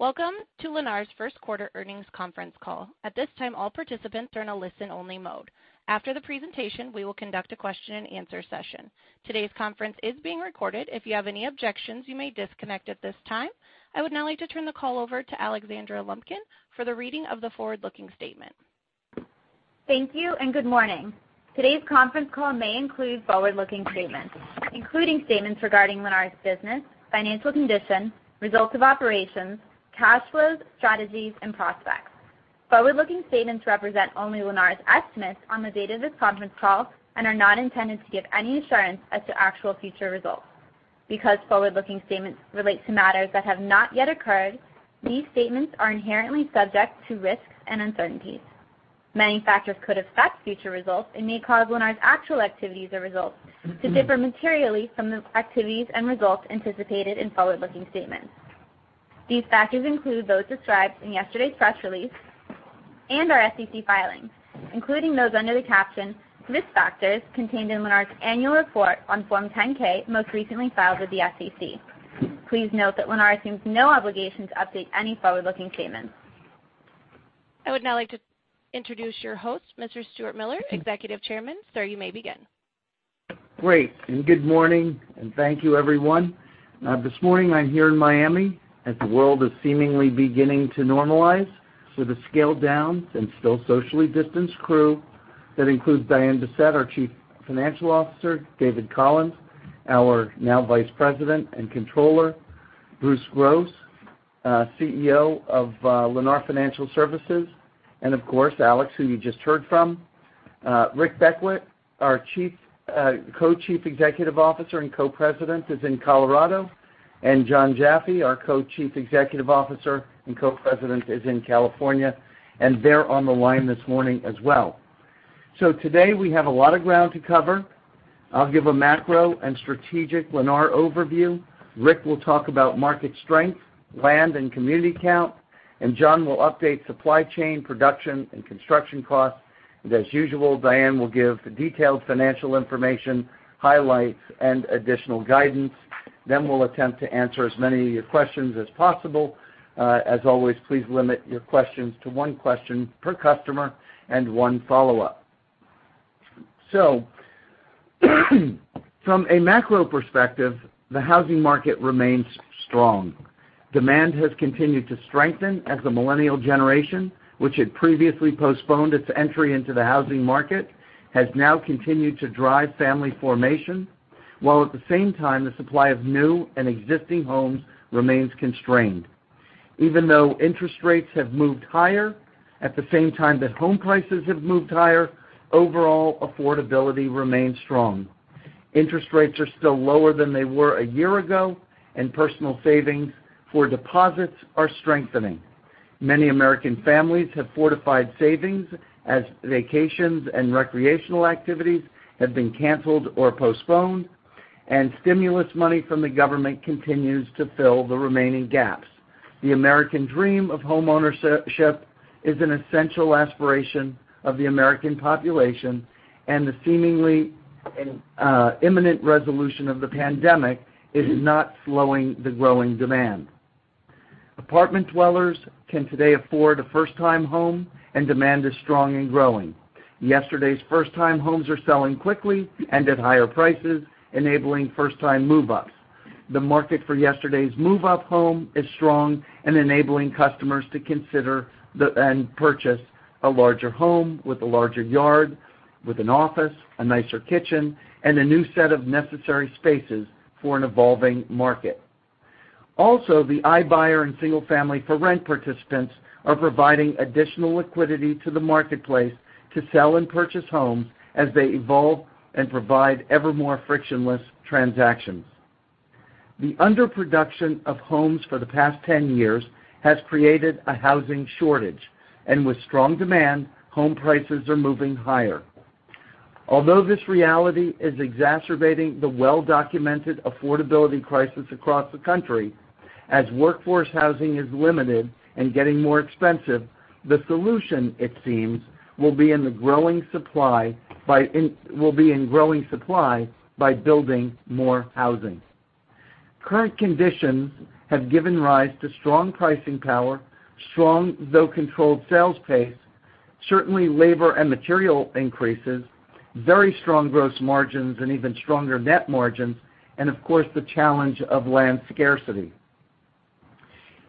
Welcome to Lennar's first quarter earnings conference call. At this time, all participants are in a listen-only mode. After the presentation, we will conduct a question and answer session. Today's conference is being recorded. If you have any objections, you may disconnect at this time. I would now like to turn the call over to Alexandra Lumpkin for the reading of the forward-looking statement. Thank you, and good morning. Today's conference call may include forward-looking statements, including statements regarding Lennar's business, financial condition, results of operations, cash flows, strategies, and prospects. Forward-looking statements represent only Lennar's estimates on the date of this conference call and are not intended to give any assurance as to actual future results. Because forward-looking statements relate to matters that have not yet occurred, these statements are inherently subject to risks and uncertainties. Many factors could affect future results and may cause Lennar's actual activities or results to differ materially from the activities and results anticipated in forward-looking statements. These factors include those described in yesterday's press release and our SEC filings, including those under the caption Risk Factors contained in Lennar's annual report on Form 10-K, most recently filed with the SEC. Please note that Lennar assumes no obligation to update any forward-looking statements. I would now like to introduce your host, Mr. Stuart Miller, Executive Chairman. Sir, you may begin. Great, good morning, and thank you, everyone. This morning, I'm here in Miami, as the world is seemingly beginning to normalize, with a scaled-down and still socially distanced crew that includes Diane Bessette, our Chief Financial Officer, David Collins, our now Vice President and Controller, Bruce Gross, CEO of Lennar Financial Services, and of course, Alex, who you just heard from. Rick Beckwitt, our Co-Chief Executive Officer and Co-President, is in Colorado, and Jon Jaffe, our Co-Chief Executive Officer and Co-President, is in California, and they're on the line this morning as well. Today, we have a lot of ground to cover. I'll give a macro and strategic Lennar overview. Rick will talk about market strength, land, and community count, and Jon will update supply chain, production, and construction costs. As usual, Diane will give the detailed financial information, highlights, and additional guidance. We'll attempt to answer as many of your questions as possible. As always, please limit your questions to one question per customer and one follow-up. From a macro perspective, the housing market remains strong. Demand has continued to strengthen as the millennial generation, which had previously postponed its entry into the housing market, has now continued to drive family formation, while at the same time, the supply of new and existing homes remains constrained. Even though interest rates have moved higher at the same time that home prices have moved higher, overall affordability remains strong. Interest rates are still lower than they were a year ago, and personal savings for deposits are strengthening. Many American families have fortified savings as vacations and recreational activities have been canceled or postponed, and stimulus money from the government continues to fill the remaining gaps. The American dream of homeownership is an essential aspiration of the American population, and the seemingly imminent resolution of the pandemic is not slowing the growing demand. Apartment dwellers can today afford a first-time home, and demand is strong and growing. Yesterday's first-time homes are selling quickly and at higher prices, enabling first-time move-ups. The market for yesterday's move-up home is strong and enabling customers to consider and purchase a larger home with a larger yard, with an office, a nicer kitchen, and a new set of necessary spaces for an evolving market. The iBuyer and single-family for-rent participants are providing additional liquidity to the marketplace to sell and purchase homes as they evolve and provide ever more frictionless transactions. The underproduction of homes for the past 10 years has created a housing shortage, and with strong demand, home prices are moving higher. Although this reality is exacerbating the well-documented affordability crisis across the country, as workforce housing is limited and getting more expensive, the solution, it seems, will be in growing supply by building more housing. Current conditions have given rise to strong pricing power, strong, though controlled, sales pace, certainly labor and material increases, very strong gross margins and even stronger net margins, and of course, the challenge of land scarcity.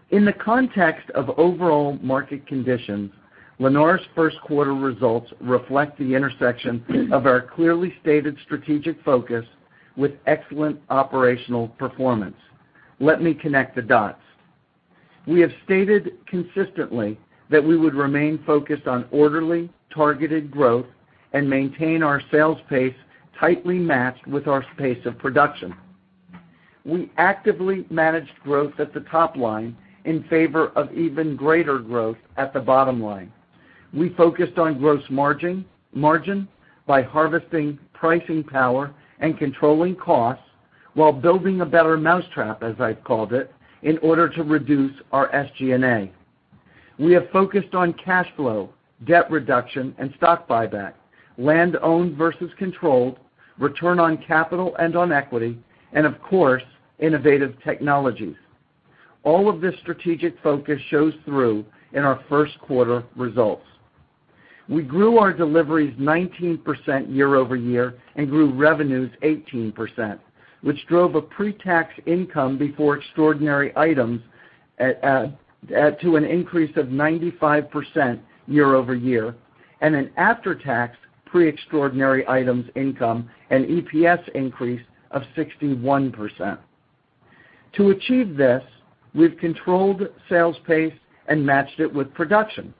In the context of overall market conditions, Lennar's first quarter results reflect the intersection of our clearly stated strategic focus with excellent operational performance. Let me connect the dots. We have stated consistently that we would remain focused on orderly, targeted growth and maintain our sales pace tightly matched with our pace of production. We actively managed growth at the top line in favor of even greater growth at the bottom line. We focused on gross margin by harvesting pricing power and controlling costs while building a better mousetrap, as I've called it, in order to reduce our SG&A. We have focused on cash flow, debt reduction, and stock buyback, land owned versus controlled, return on capital and on equity, and of course, innovative technologies. All of this strategic focus shows through in our first quarter results. We grew our deliveries 19% year-over-year and grew revenues 18%, which drove a pre-tax income before extraordinary items to an increase of 95% year-over-year, and an after-tax pre-extraordinary items income and EPS increase of 61%. To achieve this, we've controlled sales pace and matched it with production.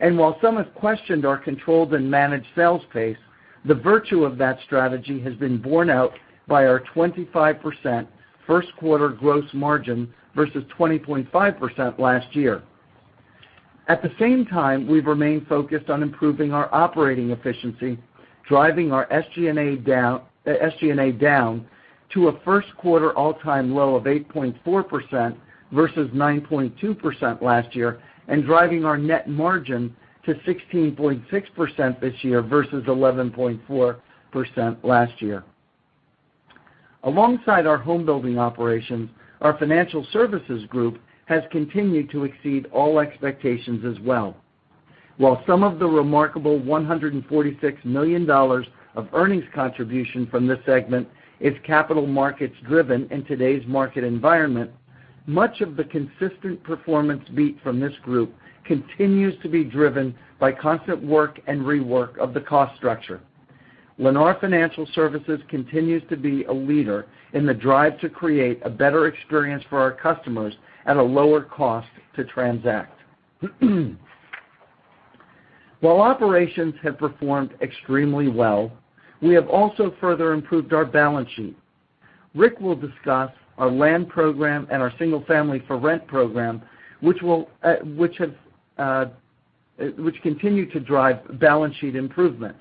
While some have questioned our controlled and managed sales pace, the virtue of that strategy has been borne out by our 25% first quarter gross margin versus 20.5% last year. At the same time, we've remained focused on improving our operating efficiency, driving our SG&A down to a first-quarter all-time low of 8.4% versus 9.2% last year and driving our net margin to 16.6% this year versus 11.4% last year. Alongside our home building operations, our financial services group has continued to exceed all expectations as well. While some of the remarkable $146 million of earnings contribution from this segment is capital markets driven in today's market environment, much of the consistent performance beat from this group continues to be driven by constant work and rework of the cost structure. Lennar Financial Services continues to be a leader in the drive to create a better experience for our customers at a lower cost to transact. While operations have performed extremely well, we have also further improved our balance sheet. Rick will discuss our land program and our single-family for rent program, which continue to drive balance sheet improvements.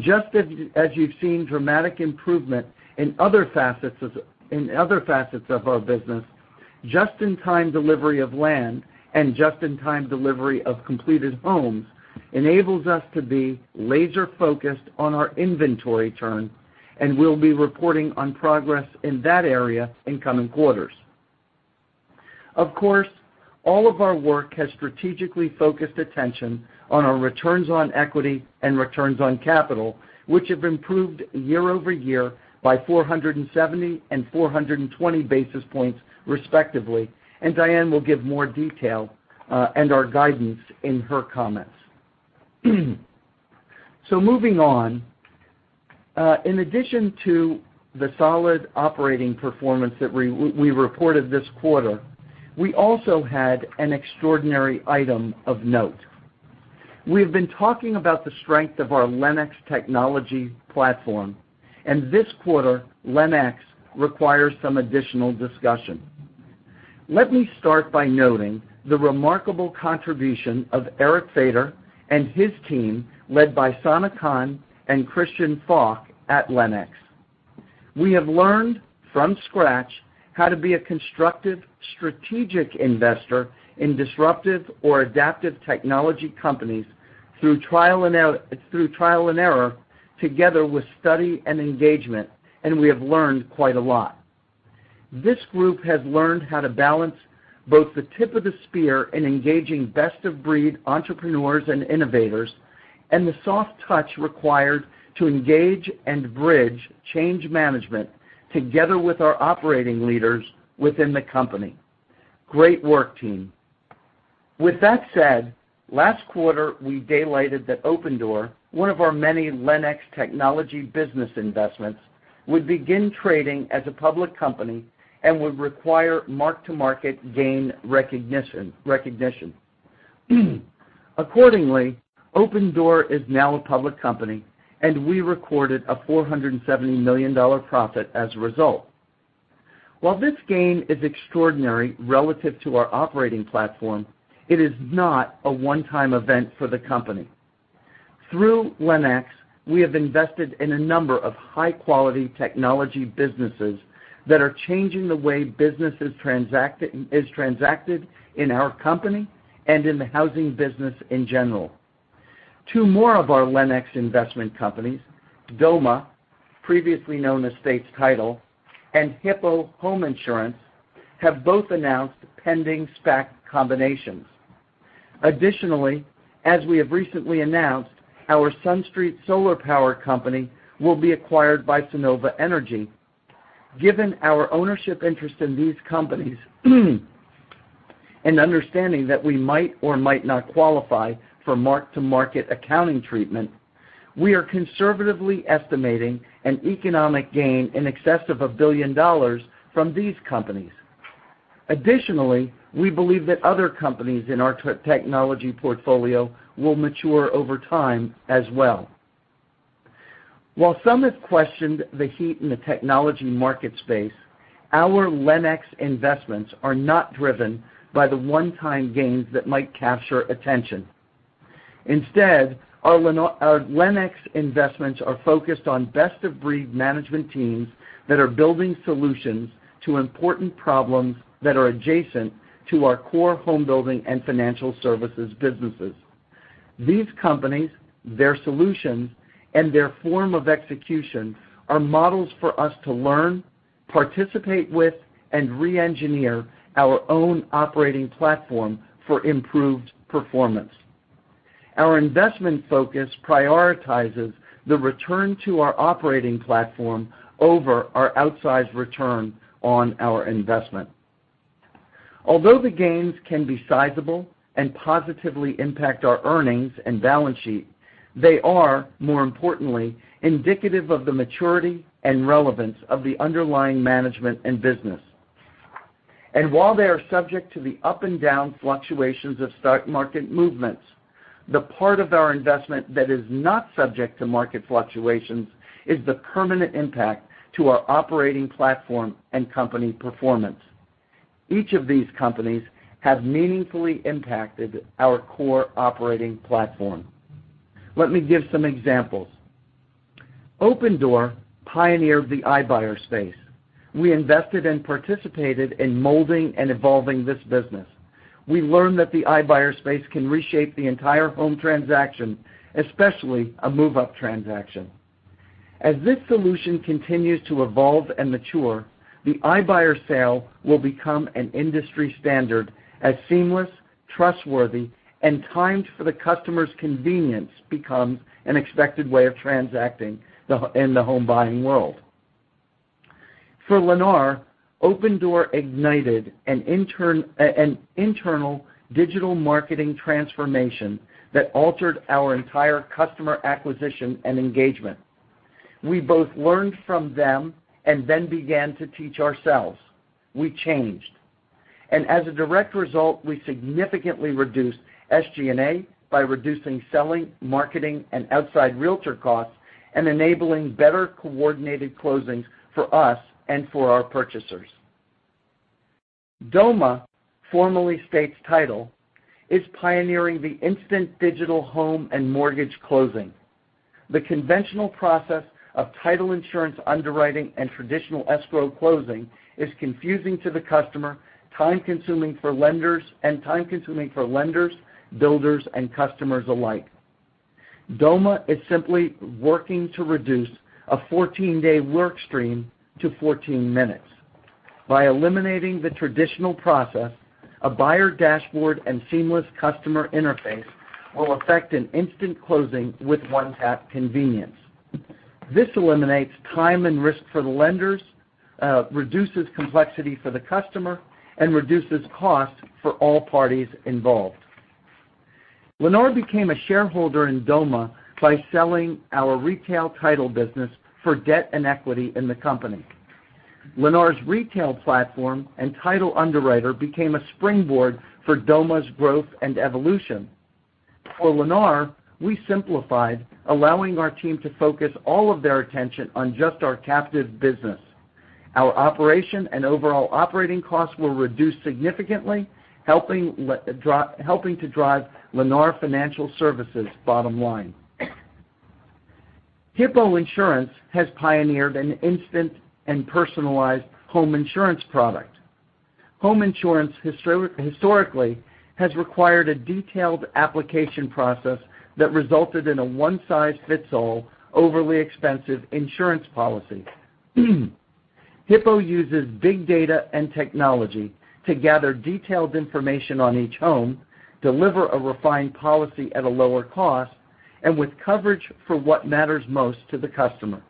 Just as you've seen dramatic improvement in other facets of our business, just-in-time delivery of land and just-in-time delivery of completed homes enables us to be laser-focused on our inventory turn, and we'll be reporting on progress in that area in coming quarters. Of course, all of our work has strategically focused attention on our returns on equity and returns on capital, which have improved year-over-year by 470 and 420 basis points, respectively, and Diane will give more detail, and our guidance in her comments. Moving on, in addition to the solid operating performance that we reported this quarter, we also had an extraordinary item of note. We have been talking about the strength of our LenX technology platform, and this quarter, LenX requires some additional discussion. Let me start by noting the remarkable contribution of Eric Feder and his team led by Sana Khan and Christian Falk at LenX. We have learned from scratch how to be a constructive, strategic investor in disruptive or adaptive technology companies through trial and error together with study and engagement, and we have learned quite a lot. This group has learned how to balance both the tip of the spear in engaging best-of-breed entrepreneurs and innovators and the soft touch required to engage and bridge change management together with our operating leaders within the company. Great work, team. With that said, last quarter, we daylighted that Opendoor, one of our many LenX technology business investments, would begin trading as a public company and would require mark-to-market gain recognition. Accordingly, Opendoor is now a public company, and we recorded a $470 million profit as a result. While this gain is extraordinary relative to our operating platform, it is not a one-time event for the company. Through LenX, we have invested in a number of high-quality technology businesses that are changing the way business is transacted in our company and in the housing business in general. Two more of our LenX investment companies, Doma, previously known as States Title, and Hippo, have both announced pending SPAC combinations. Additionally, as we have recently announced, our SunStreet solar power company will be acquired by Sunnova Energy. Given our ownership interest in these companies and understanding that we might or might not qualify for mark-to-market accounting treatment, we are conservatively estimating an economic gain in excess of $1 billion from these companies. Additionally, we believe that other companies in our technology portfolio will mature over time as well. While some have questioned the heat in the technology market space, our LenX investments are not driven by the one-time gains that might capture attention. Instead, our LenX investments are focused on best-of-breed management teams that are building solutions to important problems that are adjacent to our core homebuilding and financial services businesses. These companies, their solutions, and their form of execution are models for us to learn, participate with, and re-engineer our own operating platform for improved performance. Our investment focus prioritizes the return to our operating platform over our outsized return on our investment. Although the gains can be sizable and positively impact our earnings and balance sheet, they are, more importantly, indicative of the maturity and relevance of the underlying management and business. While they are subject to the up and down fluctuations of stock market movements, the part of our investment that is not subject to market fluctuations is the permanent impact to our operating platform and company performance. Each of these companies have meaningfully impacted our core operating platform. Let me give some examples. Opendoor pioneered the iBuyer space. We invested and participated in molding and evolving this business. We learned that the iBuyer space can reshape the entire home transaction, especially a move-up transaction. As this solution continues to evolve and mature, the iBuyer sale will become an industry standard as seamless, trustworthy, and timed for the customer's convenience becomes an expected way of transacting in the home buying world. For Lennar, Opendoor ignited an internal digital marketing transformation that altered our entire customer acquisition and engagement. We both learned from them and then began to teach ourselves. We changed. As a direct result, we significantly reduced SG&A by reducing selling, marketing, and outside realtor costs and enabling better-coordinated closings for us and for our purchasers. Doma, formerly States Title, is pioneering the instant digital home and mortgage closing. The conventional process of title insurance underwriting and traditional escrow closing is confusing to the customer, time-consuming for lenders, builders, and customers alike. Doma is simply working to reduce a 14-day work stream to 14 minutes. By eliminating the traditional process, a buyer dashboard and seamless customer interface will affect an instant closing with one-tap convenience. This eliminates time and risk for the lenders, reduces complexity for the customer, and reduces cost for all parties involved. Lennar became a shareholder in Doma by selling our retail title business for debt and equity in the company. Lennar's retail platform and title underwriter became a springboard for Doma's growth and evolution. For Lennar, we simplified, allowing our team to focus all of their attention on just our captive business. Our operation and overall operating costs were reduced significantly, helping to drive Lennar Financial Services' bottom line. Hippo has pioneered an instant and personalized home insurance product. Home insurance historically has required a detailed application process that resulted in a one-size-fits-all, overly expensive insurance policy. Hippo uses big data and technology to gather detailed information on each home, deliver a refined policy at a lower cost, and with coverage for what matters most to the customer.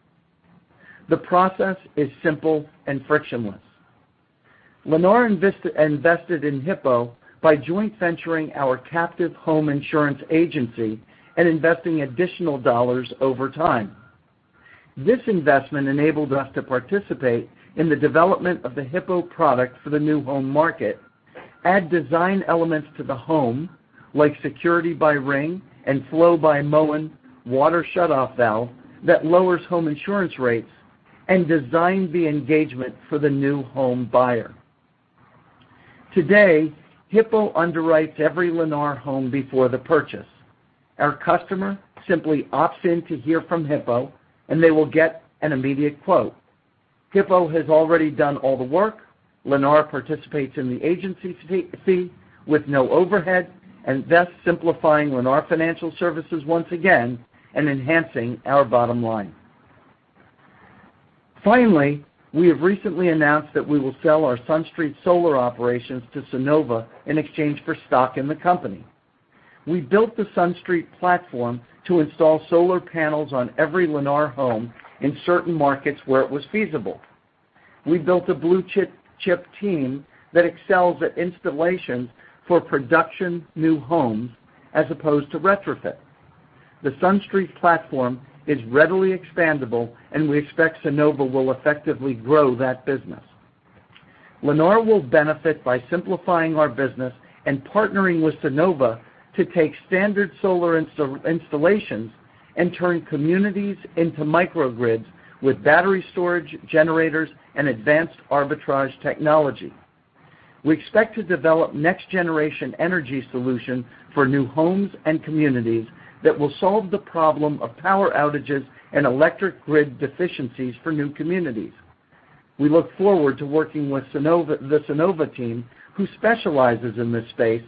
The process is simple and frictionless. Lennar invested in Hippo by joint venturing our captive home insurance agency and investing additional dollars over time. This investment enabled us to participate in the development of the Hippo product for the new home market, add design elements to the home, like Security by Ring and Flo by Moen water shutoff valve that lowers home insurance rates, and design the engagement for the new home buyer. Today, Hippo underwrites every Lennar home before the purchase. Our customer simply opts in to hear from Hippo, and they will get an immediate quote. Hippo has already done all the work. Lennar participates in the agency fee with no overhead, and thus simplifying Lennar Financial Services once again and enhancing our bottom line. Finally, we have recently announced that we will sell our SunStreet solar operations to Sunnova in exchange for stock in the company. We built the SunStreet platform to install solar panels on every Lennar home in certain markets where it was feasible. We built a blue-chip team that excels at installations for production new homes as opposed to retrofit. The SunStreet platform is readily expandable, and we expect Sunnova will effectively grow that business. Lennar will benefit by simplifying our business and partnering with Sunnova to take standard solar installations and turn communities into microgrids with battery storage generators and advanced arbitrage technology. We expect to develop next-generation energy solutions for new homes and communities that will solve the problem of power outages and electric grid deficiencies for new communities. We look forward to working with the Sunnova team, who specializes in this space,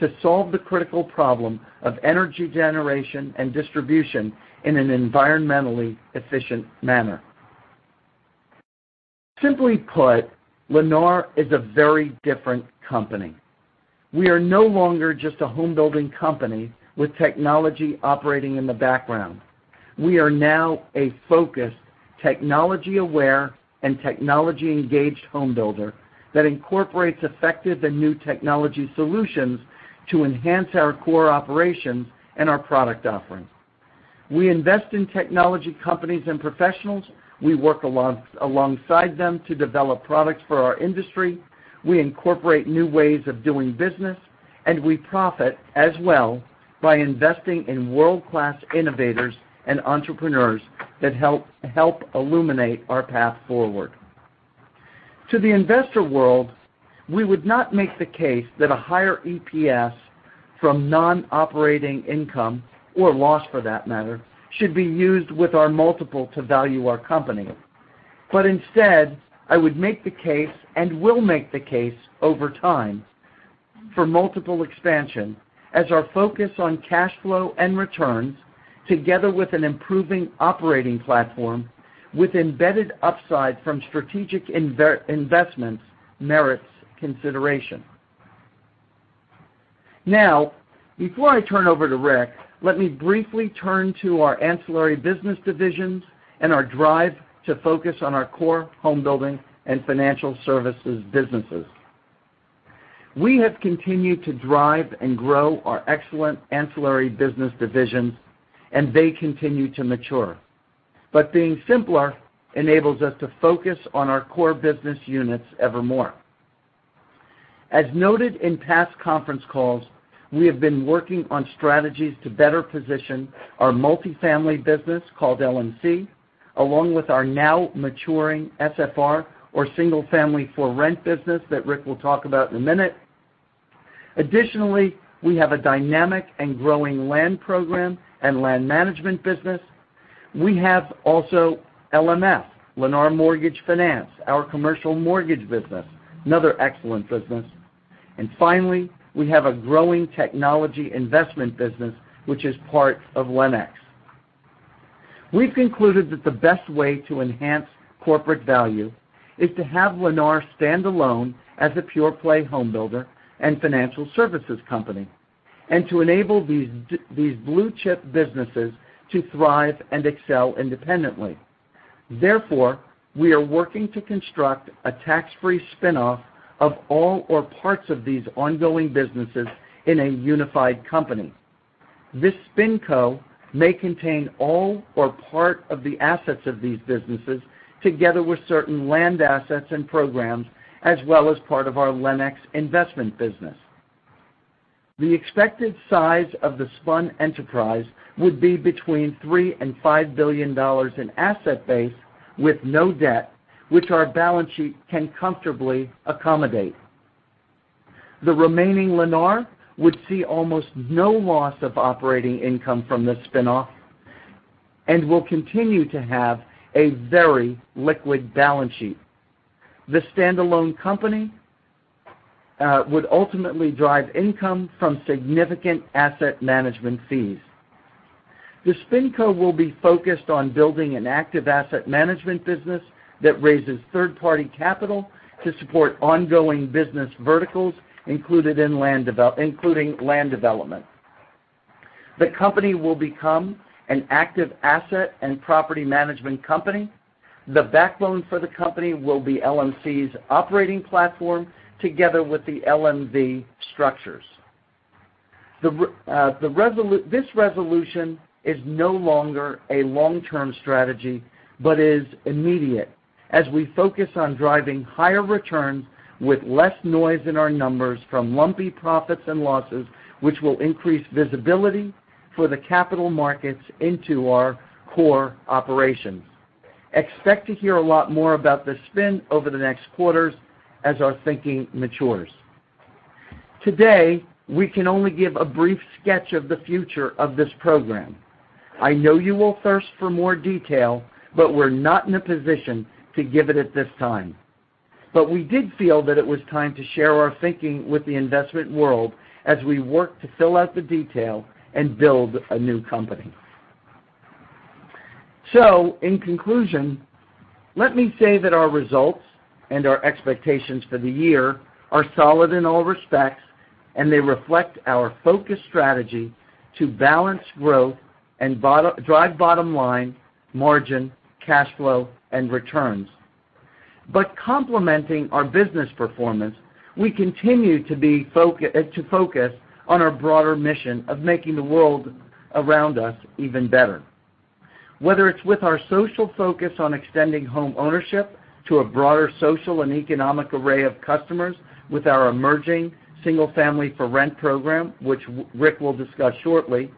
to solve the critical problem of energy generation and distribution in an environmentally efficient manner. Simply put, Lennar is a very different company. We are no longer just a home building company with technology operating in the background. We are now a focused, technology-aware, and technology-engaged home builder that incorporates effective and new technology solutions to enhance our core operations and our product offerings. We invest in technology companies and professionals, we work alongside them to develop products for our industry, we incorporate new ways of doing business, and we profit as well by investing in world-class innovators and entrepreneurs that help illuminate our path forward. To the investor world, we would not make the case that a higher EPS from non-operating income or loss for that matter, should be used with our multiple to value our company. Instead, I would make the case and will make the case over time for multiple expansion as our focus on cash flow and returns, together with an improving operating platform with embedded upside from strategic investments merits consideration. Now, before I turn over to Rick, let me briefly turn to our ancillary business divisions and our drive to focus on our core home building and Financial Services businesses. We have continued to drive and grow our excellent ancillary business divisions, and they continue to mature. Being simpler enables us to focus on our core business units ever more. As noted in past conference calls, we have been working on strategies to better position our multifamily business called LMC, along with our now maturing SFR or single family for rent business that Rick will talk about in a minute. Additionally, we have a dynamic and growing land program and land management business. We have also LMF, Lennar Mortgage Finance, our commercial mortgage business, another excellent business. Finally, we have a growing technology investment business, which is part of LenX. We've concluded that the best way to enhance corporate value is to have Lennar stand alone as a pure-play home builder and financial services company, and to enable these blue-chip businesses to thrive and excel independently. We are working to construct a tax-free spinoff of all or parts of these ongoing businesses in a unified company. This SpinCo may contain all or part of the assets of these businesses together with certain land assets and programs, as well as part of our LenX investment business. The expected size of the spun enterprise would be between $3 billion and $5 billion in asset base with no debt, which our balance sheet can comfortably accommodate. The remaining Lennar would see almost no loss of operating income from the spinoff and will continue to have a very liquid balance sheet. The standalone company would ultimately drive income from significant asset management fees. The SpinCo will be focused on building an active asset management business that raises third-party capital to support ongoing business verticals, including land development. The company will become an active asset and property management company. The backbone for the company will be LMC's operating platform together with the LMV structures. This resolution is no longer a long-term strategy, but is immediate as we focus on driving higher returns with less noise in our numbers from lumpy profits and losses, which will increase visibility for the capital markets into our core operations. Expect to hear a lot more about the SpinCo over the next quarters as our thinking matures. Today, we can only give a brief sketch of the future of this program. I know you will thirst for more detail, but we're not in a position to give it at this time. We did feel that it was time to share our thinking with the investment world as we work to fill out the detail and build a new company. In conclusion, let me say that our results and our expectations for the year are solid in all respects, and they reflect our focus strategy to balance growth and drive bottom line margin, cash flow, and returns. Complementing our business performance, we continue to focus on our broader mission of making the world around us even better. Whether it's with our social focus on extending homeownership to a broader social and economic array of customers with our emerging single family for rent program, which Rick will discuss shortly,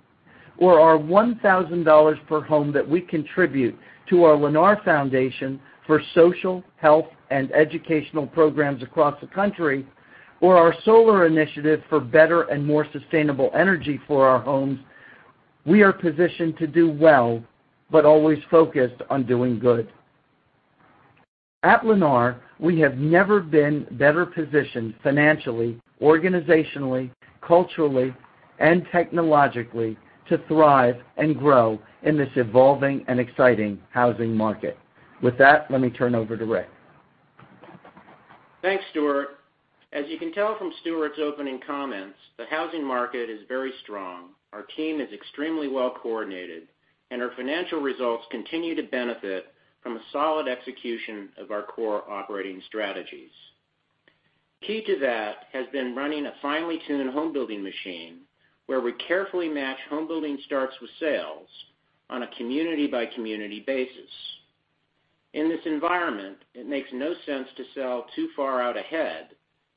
or our $1,000 per home that we contribute to our Lennar Foundation for social, health, and educational programs across the country, or our solar initiative for better and more sustainable energy for our homes. We are positioned to do well, but always focused on doing good. At Lennar, we have never been better positioned financially, organizationally, culturally, and technologically to thrive and grow in this evolving and exciting housing market. With that, let me turn over to Rick. Thanks, Stuart. As you can tell from Stuart's opening comments, the housing market is very strong, our team is extremely well-coordinated, and our financial results continue to benefit from a solid execution of our core operating strategies. Key to that has been running a finely tuned home building machine, where we carefully match home building starts with sales on a community-by-community basis. In this environment, it makes no sense to sell too far out ahead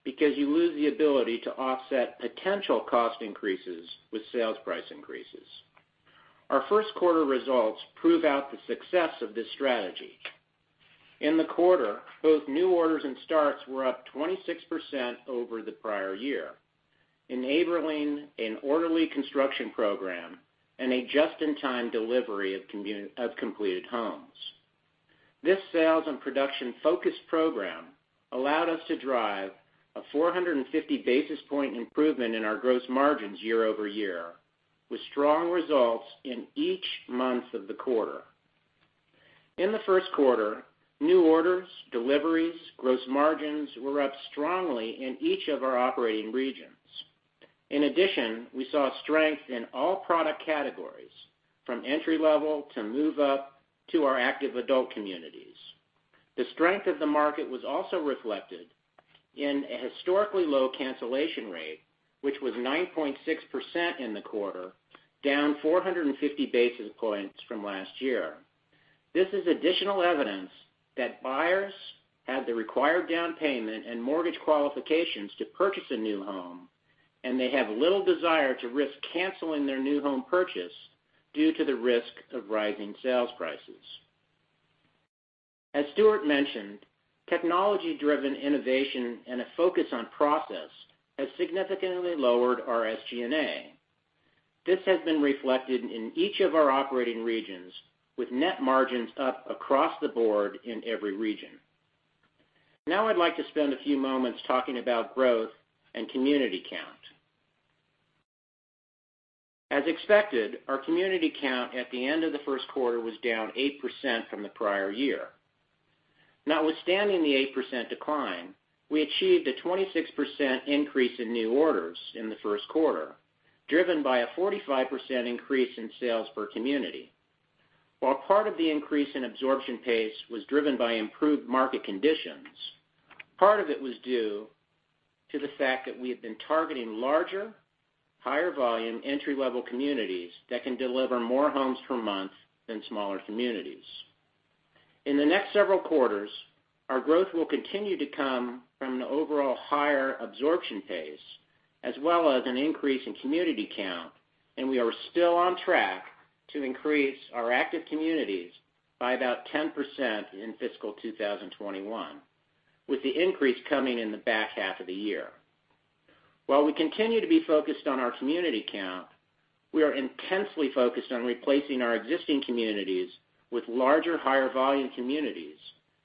because you lose the ability to offset potential cost increases with sales price increases. Our first quarter results prove out the success of this strategy. In the quarter, both new orders and starts were up 26% over the prior year, enabling an orderly construction program and a just-in-time delivery of completed homes. This sales and production-focused program allowed us to drive a 450 basis point improvement in our gross margins year-over-year, with strong results in each month of the quarter. In the first quarter, new orders, deliveries, gross margins were up strongly in each of our operating regions. In addition, we saw strength in all product categories, from entry-level to move-up to our active adult communities. The strength of the market was also reflected in a historically low cancellation rate, which was 9.6% in the quarter, down 450 basis points from last year. This is additional evidence that buyers have the required down payment and mortgage qualifications to purchase a new home, and they have little desire to risk canceling their new home purchase due to the risk of rising sales prices. As Stuart mentioned, technology-driven innovation and a focus on process has significantly lowered our SG&A. This has been reflected in each of our operating regions, with net margins up across the board in every region. I'd like to spend a few moments talking about growth and community count. As expected, our community count at the end of the first quarter was down 8% from the prior year. Notwithstanding the 8% decline, we achieved a 26% increase in new orders in the first quarter, driven by a 45% increase in sales per community. Part of the increase in absorption pace was driven by improved market conditions, part of it was due to the fact that we have been targeting larger, higher volume entry-level communities that can deliver more homes per month than smaller communities. In the next several quarters, our growth will continue to come from an overall higher absorption pace, as well as an increase in community count, and we are still on track to increase our active communities by about 10% in fiscal 2021, with the increase coming in the back half of the year. While we continue to be focused on our community count, we are intensely focused on replacing our existing communities with larger, higher volume communities,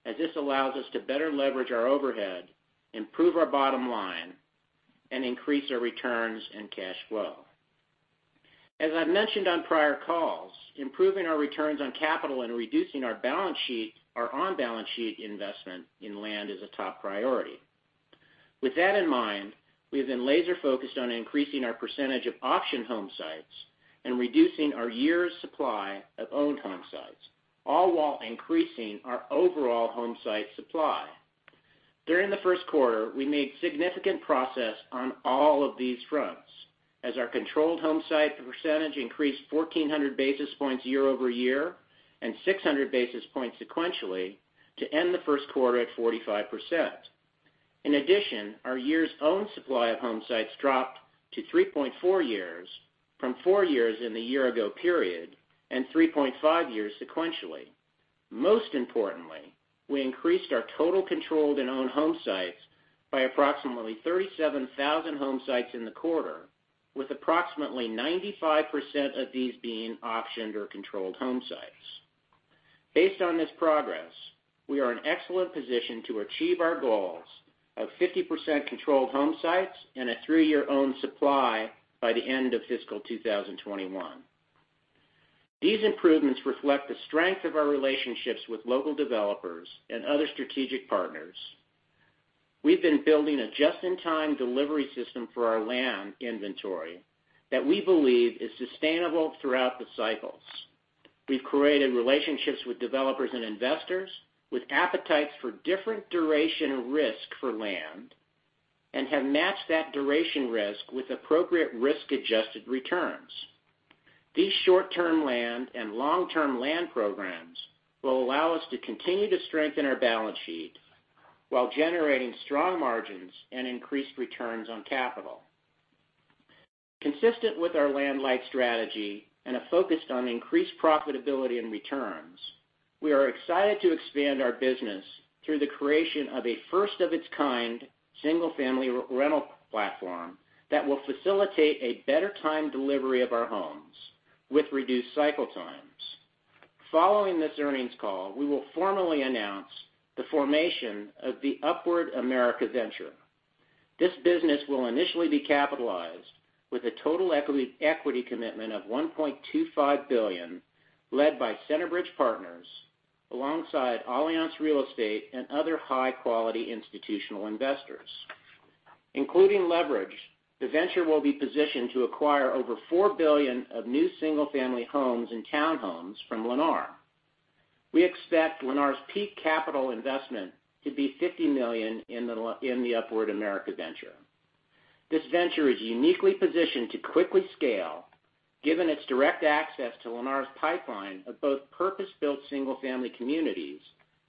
as this allows us to better leverage our overhead, improve our bottom line, and increase our returns and cash flow. As I've mentioned on prior calls, improving our returns on capital and reducing our on-balance sheet investment in land is a top priority. With that in mind, we have been laser focused on increasing our percentage of option home sites and reducing our years' supply of owned home sites, all while increasing our overall home site supply. During the first quarter, we made significant progress on all of these fronts as our controlled home site percentage increased 1,400 basis points year-over-year and 600 basis points sequentially to end the first quarter at 45%. In addition, our years' owned supply of home sites dropped to 3.4 years from four years in the year ago period, and 3.5 years sequentially. Most importantly, we increased our total controlled and owned home sites by approximately 37,000 home sites in the quarter, with approximately 95% of these being optioned or controlled home sites. Based on this progress, we are in excellent position to achieve our goals of 50% controlled home sites and a three-year owned supply by the end of fiscal 2021. These improvements reflect the strength of our relationships with local developers and other strategic partners. We've been building a just-in-time delivery system for our land inventory that we believe is sustainable throughout the cycles. We've created relationships with developers and investors with appetites for different duration risk for land and have matched that duration risk with appropriate risk-adjusted returns. These short-term land and long-term land programs will allow us to continue to strengthen our balance sheet while generating strong margins and increased returns on capital. Consistent with our land-light strategy and a focus on increased profitability and returns, we are excited to expand our business through the creation of a first-of-its-kind single-family rental platform that will facilitate a better time delivery of our homes with reduced cycle times. Following this earnings call, we will formally announce the formation of the Upward America venture. This business will initially be capitalized with a total equity commitment of $1.25 billion, led by Centerbridge Partners, alongside Allianz Real Estate and other high-quality institutional investors. Including leverage, the venture will be positioned to acquire over $4 billion of new single-family homes and townhomes from Lennar. We expect Lennar's peak capital investment to be $50 million in the Upward America venture. This venture is uniquely positioned to quickly scale given its direct access to Lennar's pipeline of both purpose-built single-family communities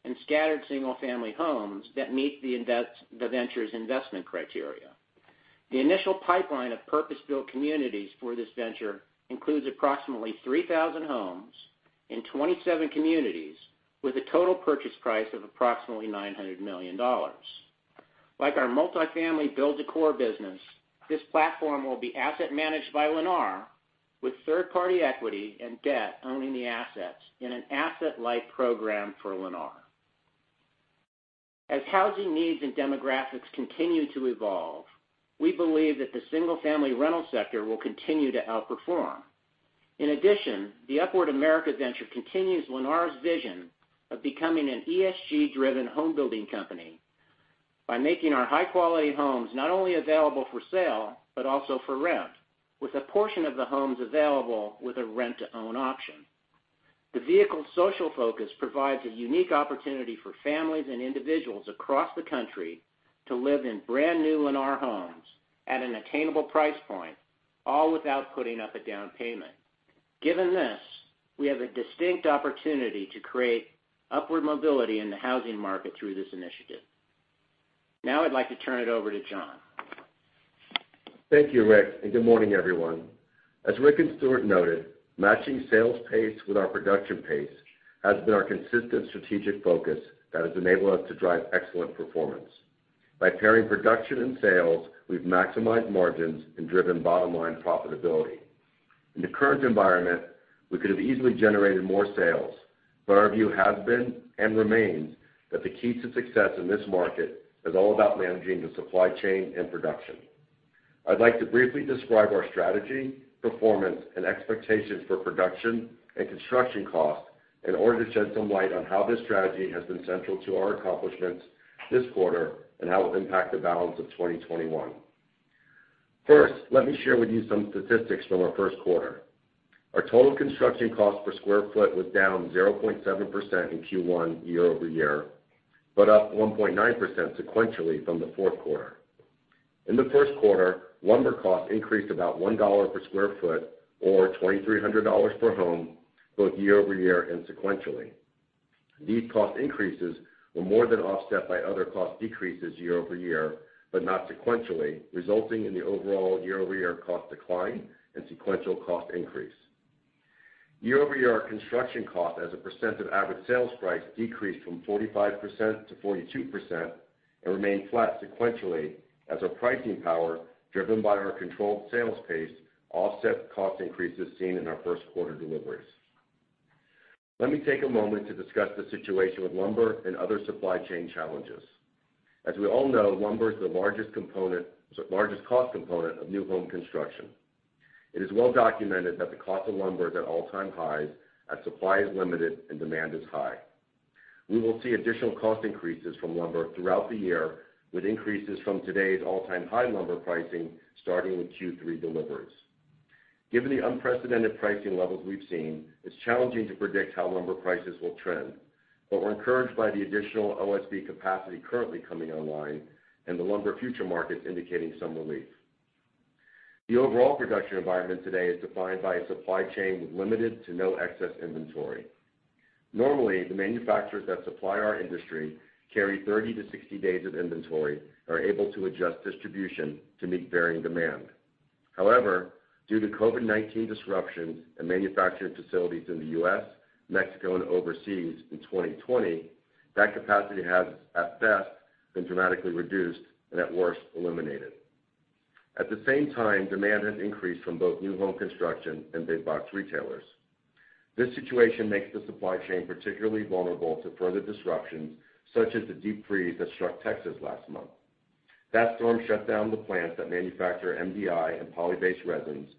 and scattered single-family homes that meet the venture's investment criteria. The initial pipeline of purpose-built communities for this venture includes approximately 3,000 homes in 27 communities with a total purchase price of approximately $900 million. Like our multifamily build-to-core business, this platform will be asset managed by Lennar with third-party equity and debt owning the assets in an asset-light program for Lennar. As housing needs and demographics continue to evolve, we believe that the single-family rental sector will continue to outperform. In addition, the Upward America venture continues Lennar's vision of becoming an ESG-driven homebuilding company by making our high-quality homes not only available for sale but also for rent, with a portion of the homes available with a rent-to-own option. The vehicle's social focus provides a unique opportunity for families and individuals across the country to live in brand-new Lennar homes at an attainable price point, all without putting up a down payment. Given this, we have a distinct opportunity to create upward mobility in the housing market through this initiative. Now I'd like to turn it over to Jon. Thank you, Rick. Good morning, everyone. As Rick and Stuart noted, matching sales pace with our production pace has been our consistent strategic focus that has enabled us to drive excellent performance. By pairing production and sales, we've maximized margins and driven bottom-line profitability. In the current environment, we could have easily generated more sales, but our view has been and remains that the key to success in this market is all about managing the supply chain and production. I'd like to briefly describe our strategy, performance, and expectations for production and construction costs in order to shed some light on how this strategy has been central to our accomplishments this quarter and how it will impact the balance of 2021. First, let me share with you some statistics from our first quarter. Our total construction cost per square foot was down 0.7% in Q1 year-over-year, but up 1.9% sequentially from the fourth quarter. In the first quarter, lumber costs increased about $1 per square foot or $2,300 per home, both year-over-year and sequentially. These cost increases were more than offset by other cost decreases year-over-year, but not sequentially, resulting in the overall year-over-year cost decline and sequential cost increase. Year-over-year, our construction cost as a percent of average sales price decreased from 45%-42% and remained flat sequentially as our pricing power, driven by our controlled sales pace, offset cost increases seen in our first quarter deliveries. Let me take a moment to discuss the situation with lumber and other supply chain challenges. As we all know, lumber is the largest cost component of new home construction. It is well documented that the cost of lumber is at all-time highs as supply is limited and demand is high. We will see additional cost increases from lumber throughout the year, with increases from today's all-time high lumber pricing starting with Q3 deliveries. Given the unprecedented pricing levels we've seen, it's challenging to predict how lumber prices will trend, but we're encouraged by the additional OSB capacity currently coming online and the lumber future markets indicating some relief. The overall production environment today is defined by a supply chain with limited to no excess inventory. Normally, the manufacturers that supply our industry carry 30-60 days of inventory and are able to adjust distribution to meet varying demand. However, due to COVID-19 disruptions in manufacturing facilities in the U.S., Mexico, and overseas in 2020, that capacity has, at best, been dramatically reduced and at worst, eliminated. At the same time, demand has increased from both new home construction and big box retailers. This situation makes the supply chain particularly vulnerable to further disruptions, such as the deep freeze that struck Texas last month. That storm shut down the plants that manufacture MDI and poly-based resins,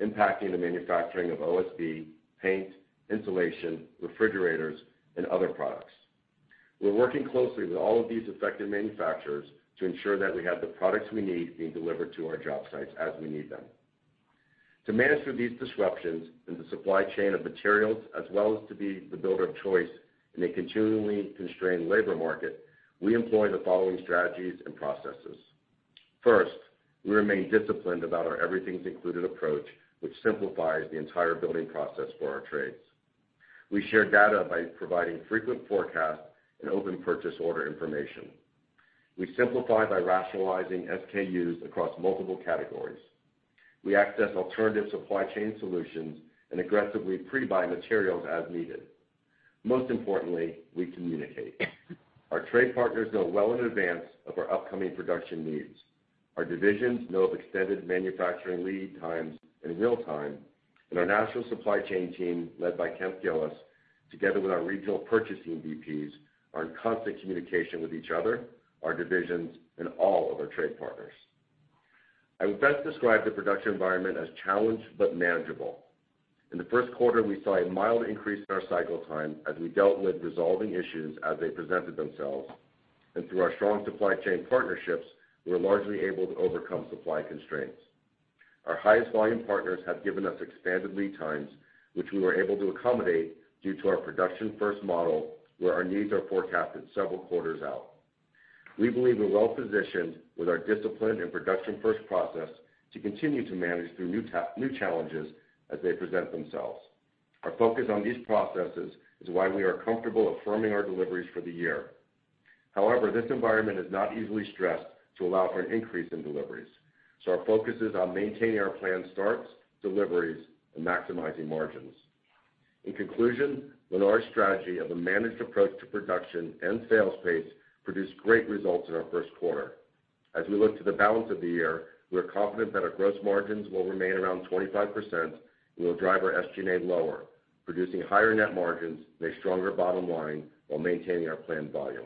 impacting the manufacturing of OSB, paint, insulation, refrigerators, and other products. We're working closely with all of these affected manufacturers to ensure that we have the products we need being delivered to our job sites as we need them. To manage through these disruptions in the supply chain of materials, as well as to be the builder of choice in a continually constrained labor market, we employ the following strategies and processes. First, we remain disciplined about our Everything's Included approach, which simplifies the entire building process for our trades. We share data by providing frequent forecasts and open purchase order information. We simplify by rationalizing SKUs across multiple categories. We access alternative supply chain solutions and aggressively pre-buy materials as needed. Most importantly, we communicate. Our trade partners know well in advance of our upcoming production needs. Our divisions know of extended manufacturing lead times in real time, and our national supply chain team, led by Kemp Gillis, together with our regional purchasing VPs, are in constant communication with each other, our divisions, and all of our trade partners. I would best describe the production environment as challenged but manageable. In the first quarter, we saw a mild increase in our cycle time as we dealt with resolving issues as they presented themselves, and through our strong supply chain partnerships, we were largely able to overcome supply constraints. Our highest volume partners have given us expanded lead times, which we were able to accommodate due to our production-first model, where our needs are forecasted several quarters out. We believe we're well-positioned with our discipline and production-first process to continue to manage through new challenges as they present themselves. Our focus on these processes is why we are comfortable affirming our deliveries for the year. However, this environment is not easily stressed to allow for an increase in deliveries, so our focus is on maintaining our planned starts, deliveries, and maximizing margins. In conclusion, Lennar's strategy of a managed approach to production and sales pace produced great results in our first quarter. As we look to the balance of the year, we are confident that our gross margins will remain around 25%, and we'll drive our SG&A lower, producing higher net margins and a stronger bottom line while maintaining our planned volume.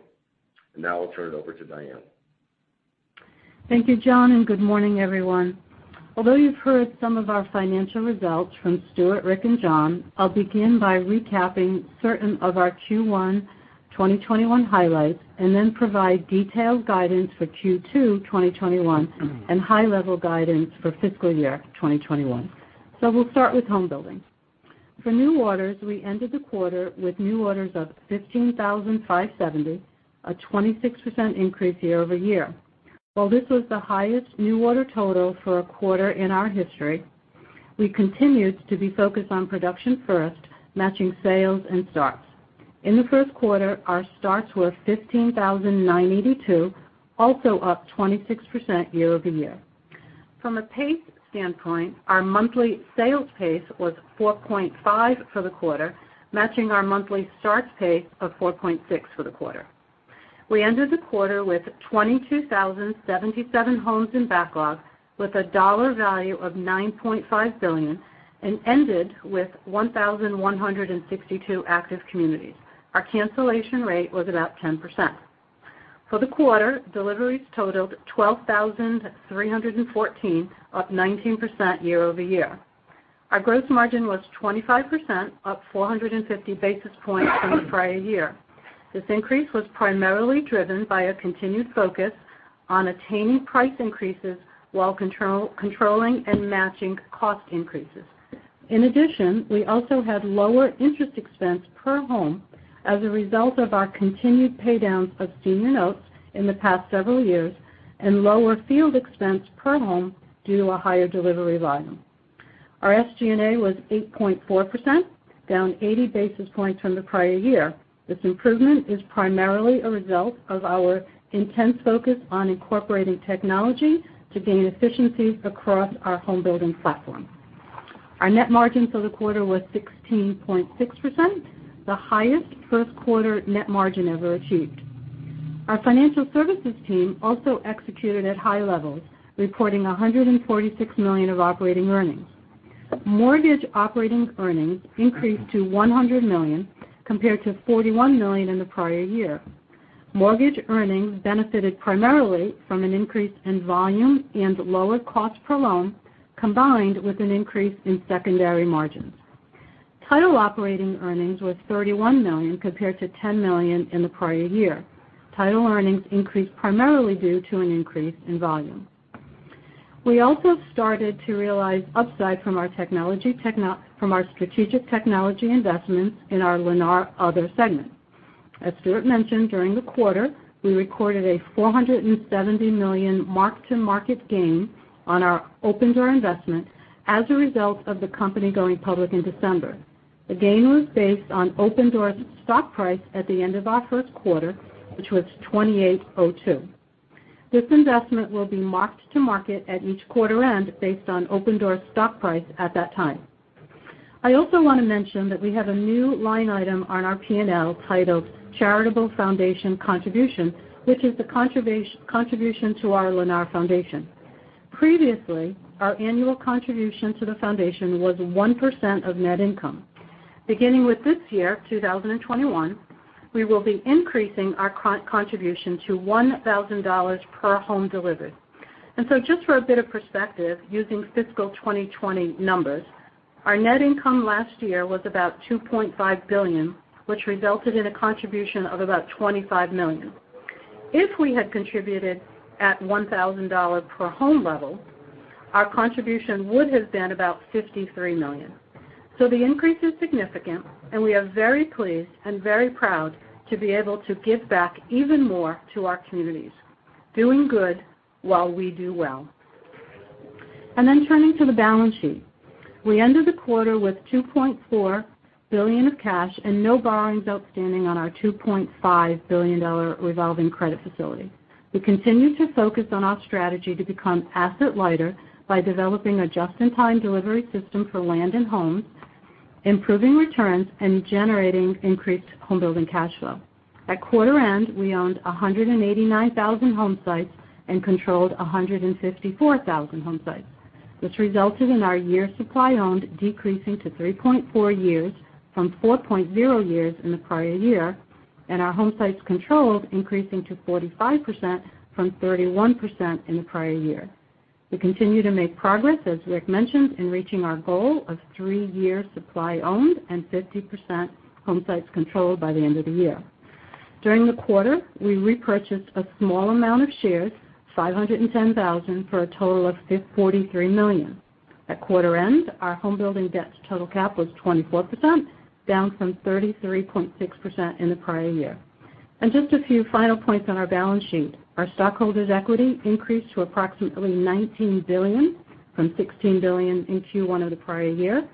Now I'll turn it over to Diane. Thank you, Jon, and good morning, everyone. Although you've heard some of our financial results from Stuart, Rick, and Jon, I'll begin by recapping certain of our Q1 2021 highlights and then provide detailed guidance for Q2 2021 and high-level guidance for fiscal year 2021. We'll start with home building. For new orders, we ended the quarter with new orders of 15,570, a 26% increase year-over-year. While this was the highest new order total for a quarter in our history, we continued to be focused on production first, matching sales and starts. In the first quarter, our starts were 15,982, also up 26% year-over-year. From a pace standpoint, our monthly sales pace was 4.5 for the quarter, matching our monthly starts pace of 4.6 for the quarter. We ended the quarter with 22,077 homes in backlog, with a dollar value of $9.5 billion, and ended with 1,162 active communities. Our cancellation rate was about 10%. For the quarter, deliveries totaled 12,314, up 19% year-over-year. Our gross margin was 25%, up 450 basis points from the prior year. This increase was primarily driven by a continued focus on attaining price increases while controlling and matching cost increases. In addition, we also had lower interest expense per home as a result of our continued paydowns of senior notes in the past several years and lower field expense per home due to a higher delivery volume. Our SG&A was 8.4%, down 80 basis points from the prior year. This improvement is primarily a result of our intense focus on incorporating technology to gain efficiencies across our home building platform. Our net margin for the quarter was 16.6%, the highest first quarter net margin ever achieved. Our financial services team also executed at high levels, reporting $146 million of operating earnings. Mortgage operating earnings increased to $100 million, compared to $41 million in the prior year. Mortgage earnings benefited primarily from an increase in volume and lower cost per loan, combined with an increase in secondary margins. Title operating earnings was $31 million, compared to $10 million in the prior year. Title earnings increased primarily due to an increase in volume. We also started to realize upside from our strategic technology investments in our Lennar Other segment. As Stuart mentioned, during the quarter, we recorded a $470 million mark-to-market gain on our Opendoor investment as a result of the company going public in December. The gain was based on Opendoor's stock price at the end of our first quarter, which was $28.02. This investment will be marked to market at each quarter-end based on Opendoor's stock price at that time. I also want to mention that we have a new line item on our P&L titled Charitable Foundation Contribution, which is the contribution to our Lennar Foundation. Previously, our annual contribution to the foundation was 1% of net income. Beginning with this year, 2021, we will be increasing our contribution to $1,000 per home delivered. Just for a bit of perspective, using fiscal 2020 numbers, our net income last year was about $2.5 billion, which resulted in a contribution of about $25 million. If we had contributed at $1,000 per home level, our contribution would have been about $53 million. The increase is significant, and we are very pleased and very proud to be able to give back even more to our communities, doing good while we do well. Turning to the balance sheet. We ended the quarter with $2.4 billion of cash and no borrowings outstanding on our $2.5 billion revolving credit facility. We continue to focus on our strategy to become asset lighter by developing a just-in-time delivery system for land and homes, improving returns, and generating increased home building cash flow. At quarter end, we owned 189,000 homesites and controlled 154,000 homesites, which resulted in our year supply owned decreasing to 3.4 years from 4.0 years in the prior year, and our homesites controlled increasing to 45% from 31% in the prior year. We continue to make progress, as Rick mentioned, in reaching our goal of three year supply owned and 50% homesites controlled by the end of the year. During the quarter, we repurchased a small amount of shares, 510,000, for a total of $43 million. At quarter end, our home building debt to total cap was 24%, down from 33.6% in the prior year. Just a few final points on our balance sheet. Our stockholders' equity increased to approximately $19 billion from $16 billion in Q1 of the prior year.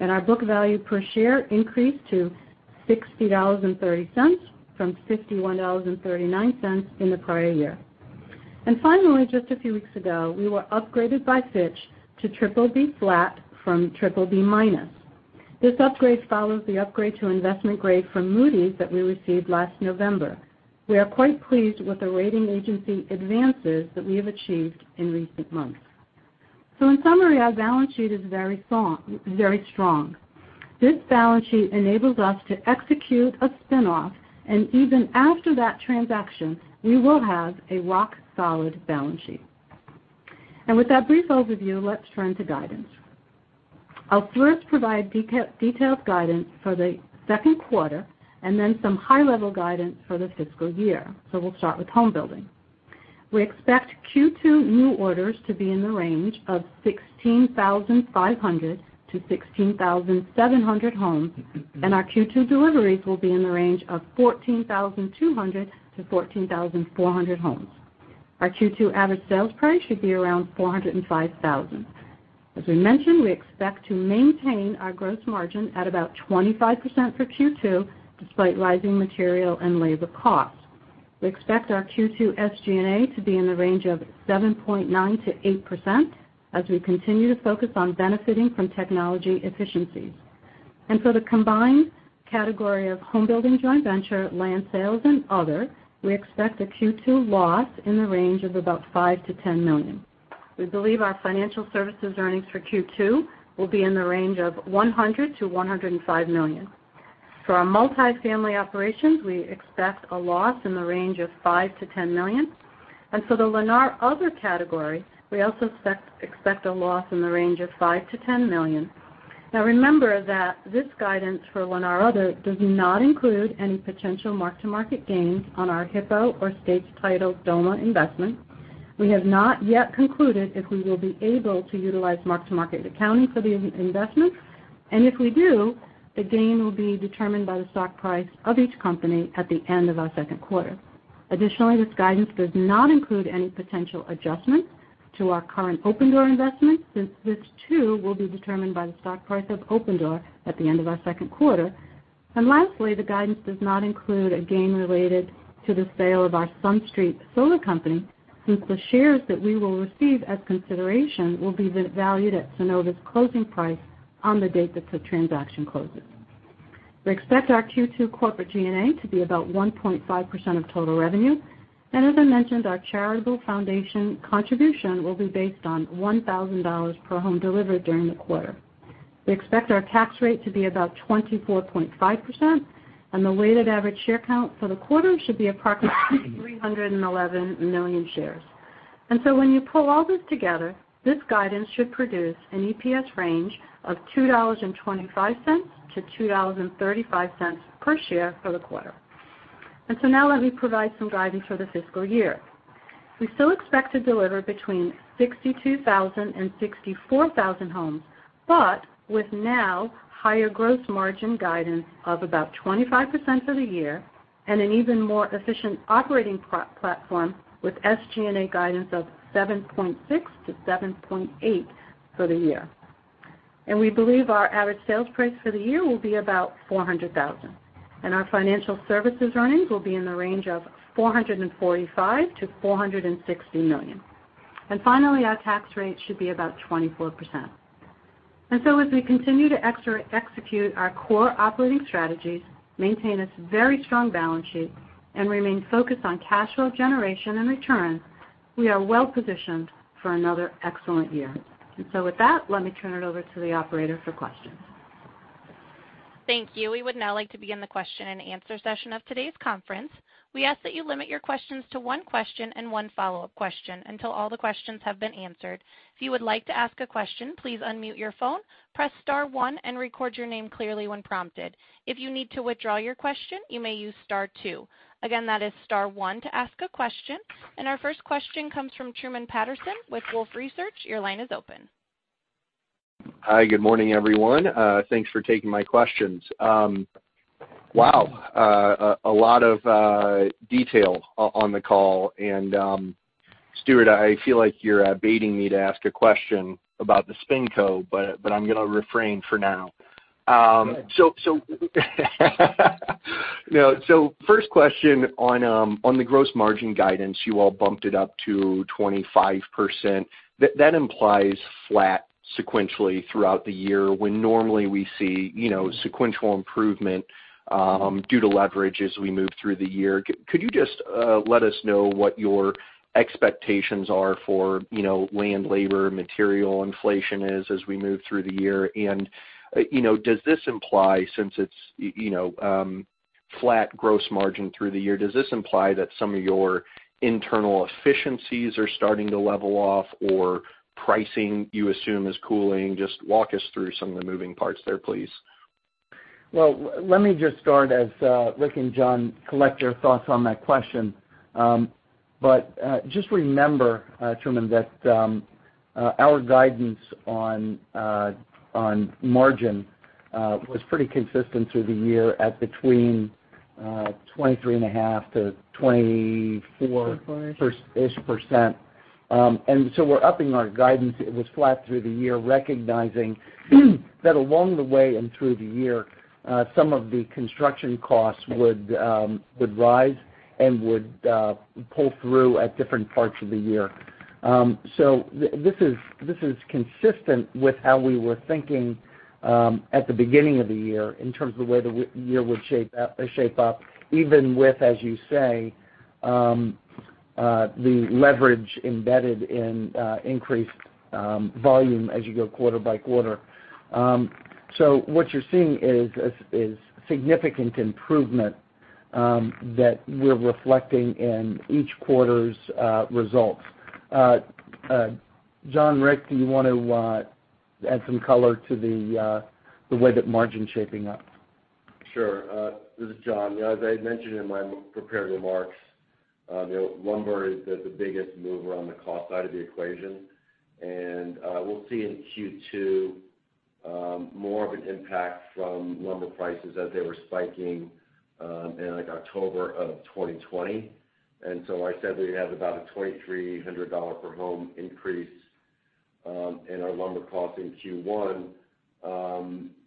Our book value per share increased to $60.30 from $51.39 in the prior year. Finally, just a few weeks ago, we were upgraded by Fitch to BBB flat from BBB minus. This upgrade follows the upgrade to investment grade from Moody's that we received last November. We are quite pleased with the rating agency advances that we have achieved in recent months. In summary, our balance sheet is very strong. This balance sheet enables us to execute a spin-off, and even after that transaction, we will have a rock-solid balance sheet. With that brief overview, let's turn to guidance. I'll first provide detailed guidance for the second quarter and then some high-level guidance for the fiscal year. We'll start with home building. We expect Q2 new orders to be in the range of 16,500-16,700 homes, and our Q2 deliveries will be in the range of 14,200-14,400 homes. Our Q2 average sales price should be around $405,000. As we mentioned, we expect to maintain our gross margin at about 25% for Q2 despite rising material and labor costs. We expect our Q2 SG&A to be in the range of 7.9%-8% as we continue to focus on benefiting from technology efficiencies. The combined category of home building joint venture, land sales, and other, we expect a Q2 loss in the range of about $5 million-$10 million. We believe our financial services earnings for Q2 will be in the range of $100 million-$105 million. For our multifamily operations, we expect a loss in the range of $5 million-$10 million. The Lennar Other category, we also expect a loss in the range of $5 million-$10 million. Now, remember that this guidance for Lennar Other does not include any potential mark-to-market gains on our Hippo or States Title Doma investment. We have not yet concluded if we will be able to utilize mark-to-market accounting for the investment. If we do, the gain will be determined by the stock price of each company at the end of our second quarter. Additionally, this guidance does not include any potential adjustments to our current Opendoor investment since this too will be determined by the stock price of Opendoor at the end of our second quarter. Lastly, the guidance does not include a gain related to the sale of our SunStreet solar company since the shares that we will receive as consideration will be valued at Sunnova's closing price on the date that the transaction closes. We expect our Q2 corporate SG&A to be about 1.5% of total revenue. As I mentioned, our charitable foundation contribution will be based on $1,000 per home delivered during the quarter. We expect our tax rate to be about 24.5%. The weighted average share count for the quarter should be approximately 311 million shares. When you pull all this together, this guidance should produce an EPS range of $2.25-$2.35 per share for the quarter. Now let me provide some guidance for the fiscal year. We still expect to deliver between 62,000 and 64,000 homes, but with now higher gross margin guidance of about 25% for the year and an even more efficient operating platform with SG&A guidance of 7.6%-7.8% for the year. We believe our average sales price for the year will be about $400,000, and our Lennar Financial Services earnings will be in the range of $445 million-$460 million. Finally, our tax rate should be about 24%.As we continue to execute our core operating strategies, maintain this very strong balance sheet, and remain focused on cash flow generation and returns, we are well-positioned for another excellent year. With that, let me turn it over to the operator for questions. Thank you. We would now like to begin the question-and-answer session of today's conference. We ask that you limit your questions to one question and one follow-up question until all the questions have been answered. If you would like to ask a question, please unmute your phone, press star one and record your name clearly when prompted. If you need to withdraw your question, you may use star two. Again, that is star one to ask a question. Our first question comes from Truman Patterson with Wolfe Research. Your line is open. Hi, good morning, everyone. Thanks for taking my questions. Wow, a lot of detail on the call. Stuart, I feel like you're baiting me to ask a question about the SpinCo, but I'm going to refrain for now. Go ahead. First question on the gross margin guidance, you all bumped it up to 25%. That implies flat sequentially throughout the year, when normally we see sequential improvement due to leverage as we move through the year. Could you just let us know what your expectations are for land, labor, material inflation is as we move through the year? Since it's flat gross margin through the year, does this imply that some of your internal efficiencies are starting to level off, or pricing you assume is cooling? Just walk us through some of the moving parts there, please. Let me just start as Rick and Jon collect their thoughts on that question. Just remember, Truman, that our guidance on margin was pretty consistent through the year at between 23.5%-24%-ish. We're upping our guidance. It was flat through the year, recognizing that along the way and through the year, some of the construction costs would rise and would pull through at different parts of the year. This is consistent with how we were thinking at the beginning of the year in terms of the way the year would shape up, even with, as you say, the leverage embedded in increased volume as you go quarter by quarter. What you're seeing is significant improvement that we're reflecting in each quarter's results. Jon, Rick, do you want to add some color to the way that margin's shaping up? Sure. This is Jon. As I mentioned in my prepared remarks, lumber is the biggest mover on the cost side of the equation. We'll see in Q2 more of an impact from lumber prices as they were spiking in October of 2020. I said we have about a $2,300 per home increase in our lumber cost in Q1.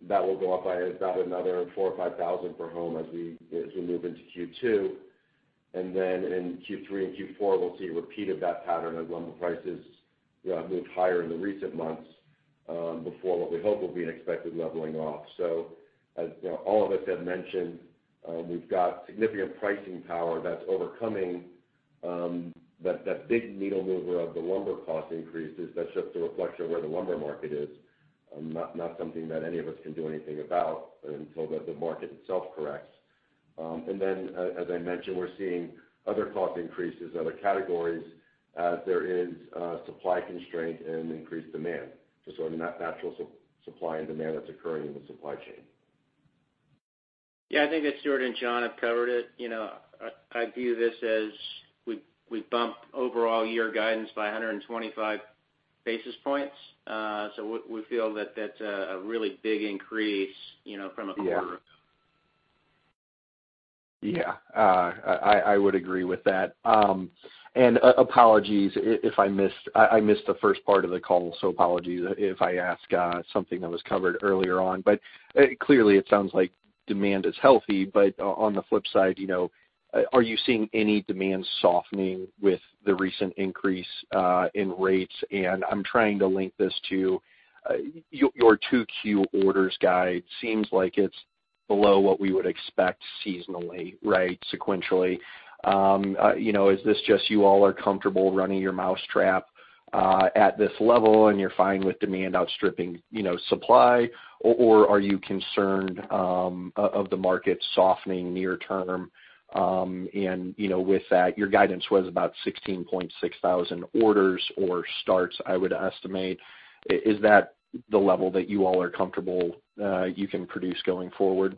That will go up by about another $4,000 or $5,000 per home as we move into Q2. In Q3 and Q4, we'll see a repeat of that pattern as lumber prices moved higher in the recent months before what we hope will be an expected leveling off. As all of us have mentioned, we've got significant pricing power that's overcoming that big needle mover of the lumber cost increases. That's just a reflection of where the lumber market is, not something that any of us can do anything about until the market itself corrects. Then, as I mentioned, we're seeing other cost increases, other categories as there is supply constraint and increased demand. Just natural supply and demand that's occurring in the supply chain. Yeah, I think that Stuart and Jon have covered it. I view this as we bump overall year guidance by 125 basis points. We feel that that's a really big increase from a quarter ago. Yeah. I would agree with that. Apologies if I missed the first part of the call, so apologies if I ask something that was covered earlier on. Clearly it sounds like demand is healthy. On the flip side, are you seeing any demand softening with the recent increase in rates? I'm trying to link this to your 2Q orders guide. Seems like it's below what we would expect seasonally, right? Sequentially. Is this just you all are comfortable running your mouse trap at this level and you're fine with demand outstripping supply, or are you concerned of the market softening near term? With that, your guidance was about 16,600 orders or starts, I would estimate. Is that the level that you all are comfortable you can produce going forward?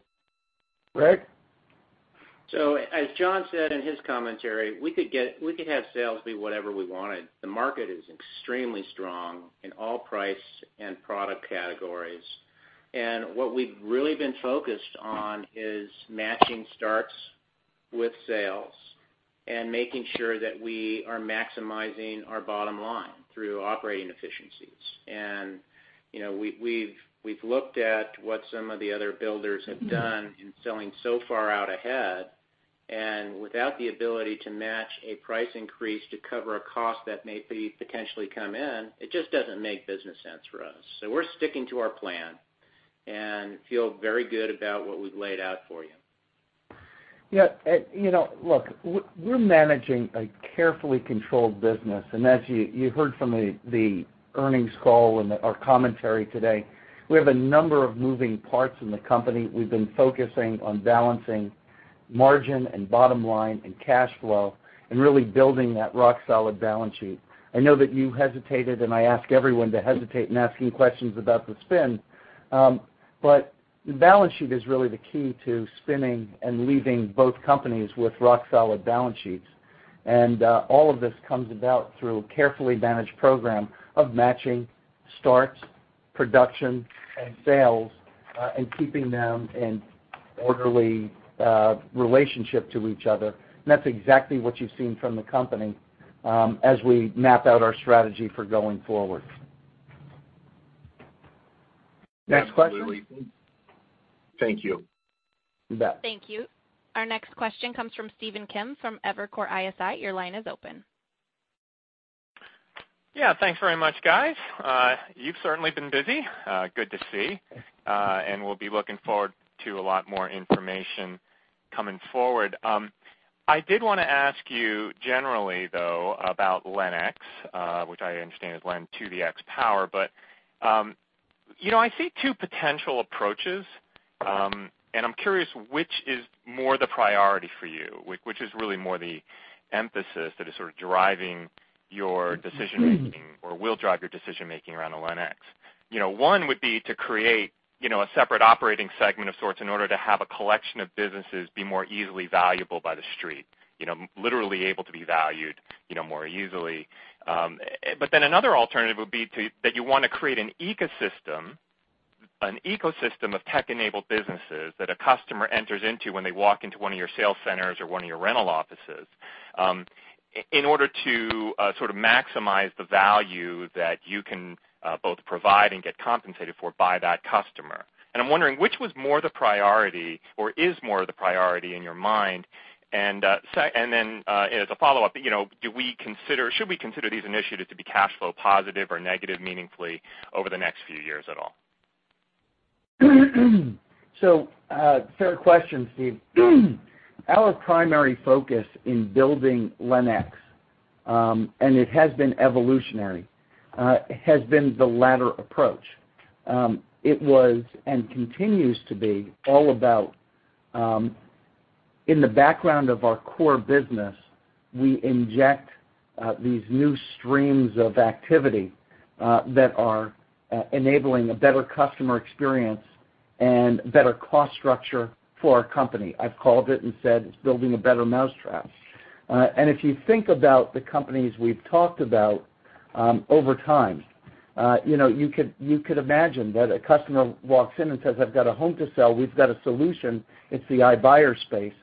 Rick? As Jon said in his commentary, we could have sales be whatever we wanted. The market is extremely strong in all price and product categories. What we've really been focused on is matching starts with sales and making sure that we are maximizing our bottom line through operating efficiencies. We've looked at what some of the other builders have done in selling so far out ahead, and without the ability to match a price increase to cover a cost that may potentially come in, it just doesn't make business sense for us. We're sticking to our plan and feel very good about what we've laid out for you. Yeah, look, we're managing a carefully controlled business, and as you heard from the earnings call and our commentary today, we have a number of moving parts in the company. We've been focusing on balancing margin and bottom line and cash flow and really building that rock-solid balance sheet. I know that you hesitated, and I ask everyone to hesitate in asking questions about the spin. The balance sheet is really the key to spinning and leaving both companies with rock-solid balance sheets. All of this comes about through a carefully managed program of matching starts, production, and sales, and keeping them in orderly relationship to each other. That's exactly what you've seen from the company as we map out our strategy for going forward. Next question? Thank you. You bet. Thank you. Our next question comes from Stephen Kim from Evercore ISI. Your line is open. Yeah. Thanks very much, guys. You've certainly been busy. Good to see. We'll be looking forward to a lot more information coming forward. I did want to ask you generally, though, about LenX, which I understand is Len to the X power, but I see two potential approaches, and I'm curious which is more the priority for you, which is really more the emphasis that is sort of driving your decision-making or will drive your decision-making around the LenX. One would be to create a separate operating segment of sorts in order to have a collection of businesses be more easily valuable by the street. Literally able to be valued more easily. Another alternative would be that you want to create an ecosystem of tech-enabled businesses that a customer enters into when they walk into one of your sales centers or one of your rental offices, in order to sort of maximize the value that you can both provide and get compensated for by that customer. I'm wondering which was more the priority or is more the priority in your mind? As a follow-up, should we consider these initiatives to be cash flow positive or negative meaningfully over the next few years at all? Fair question, Steve. Our primary focus in building LenX, and it has been evolutionary, has been the latter approach. It was, and continues to be, all about, in the background of our core business, we inject these new streams of activity that are enabling a better customer experience and better cost structure for our company. I've called it and said, "It's building a better mousetrap." If you think about the companies we've talked about over time, you could imagine that a customer walks in and says, "I've got a home to sell," we've got a solution. It's the iBuyer space.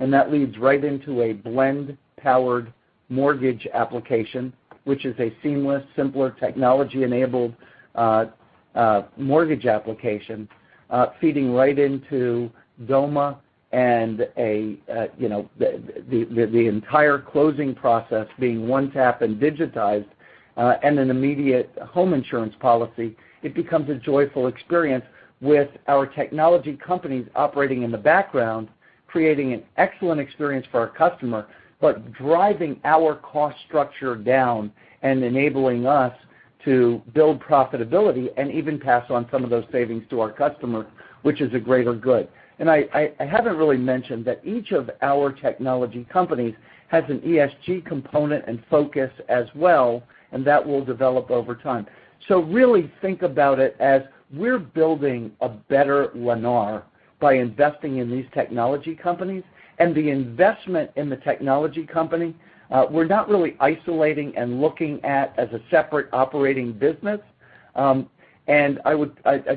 That leads right into a Blend-powered mortgage application, which is a seamless, simpler technology-enabled mortgage application, feeding right into Doma and the entire closing process being one tap and digitized, and an immediate home insurance policy. It becomes a joyful experience with our technology companies operating in the background, creating an excellent experience for our customer, but driving our cost structure down and enabling us to build profitability and even pass on some of those savings to our customer, which is a greater good. I haven't really mentioned that each of our technology companies has an ESG component and focus as well, and that will develop over time. Really think about it as we're building a better Lennar by investing in these technology companies. The investment in the technology company, we're not really isolating and looking at as a separate operating business. I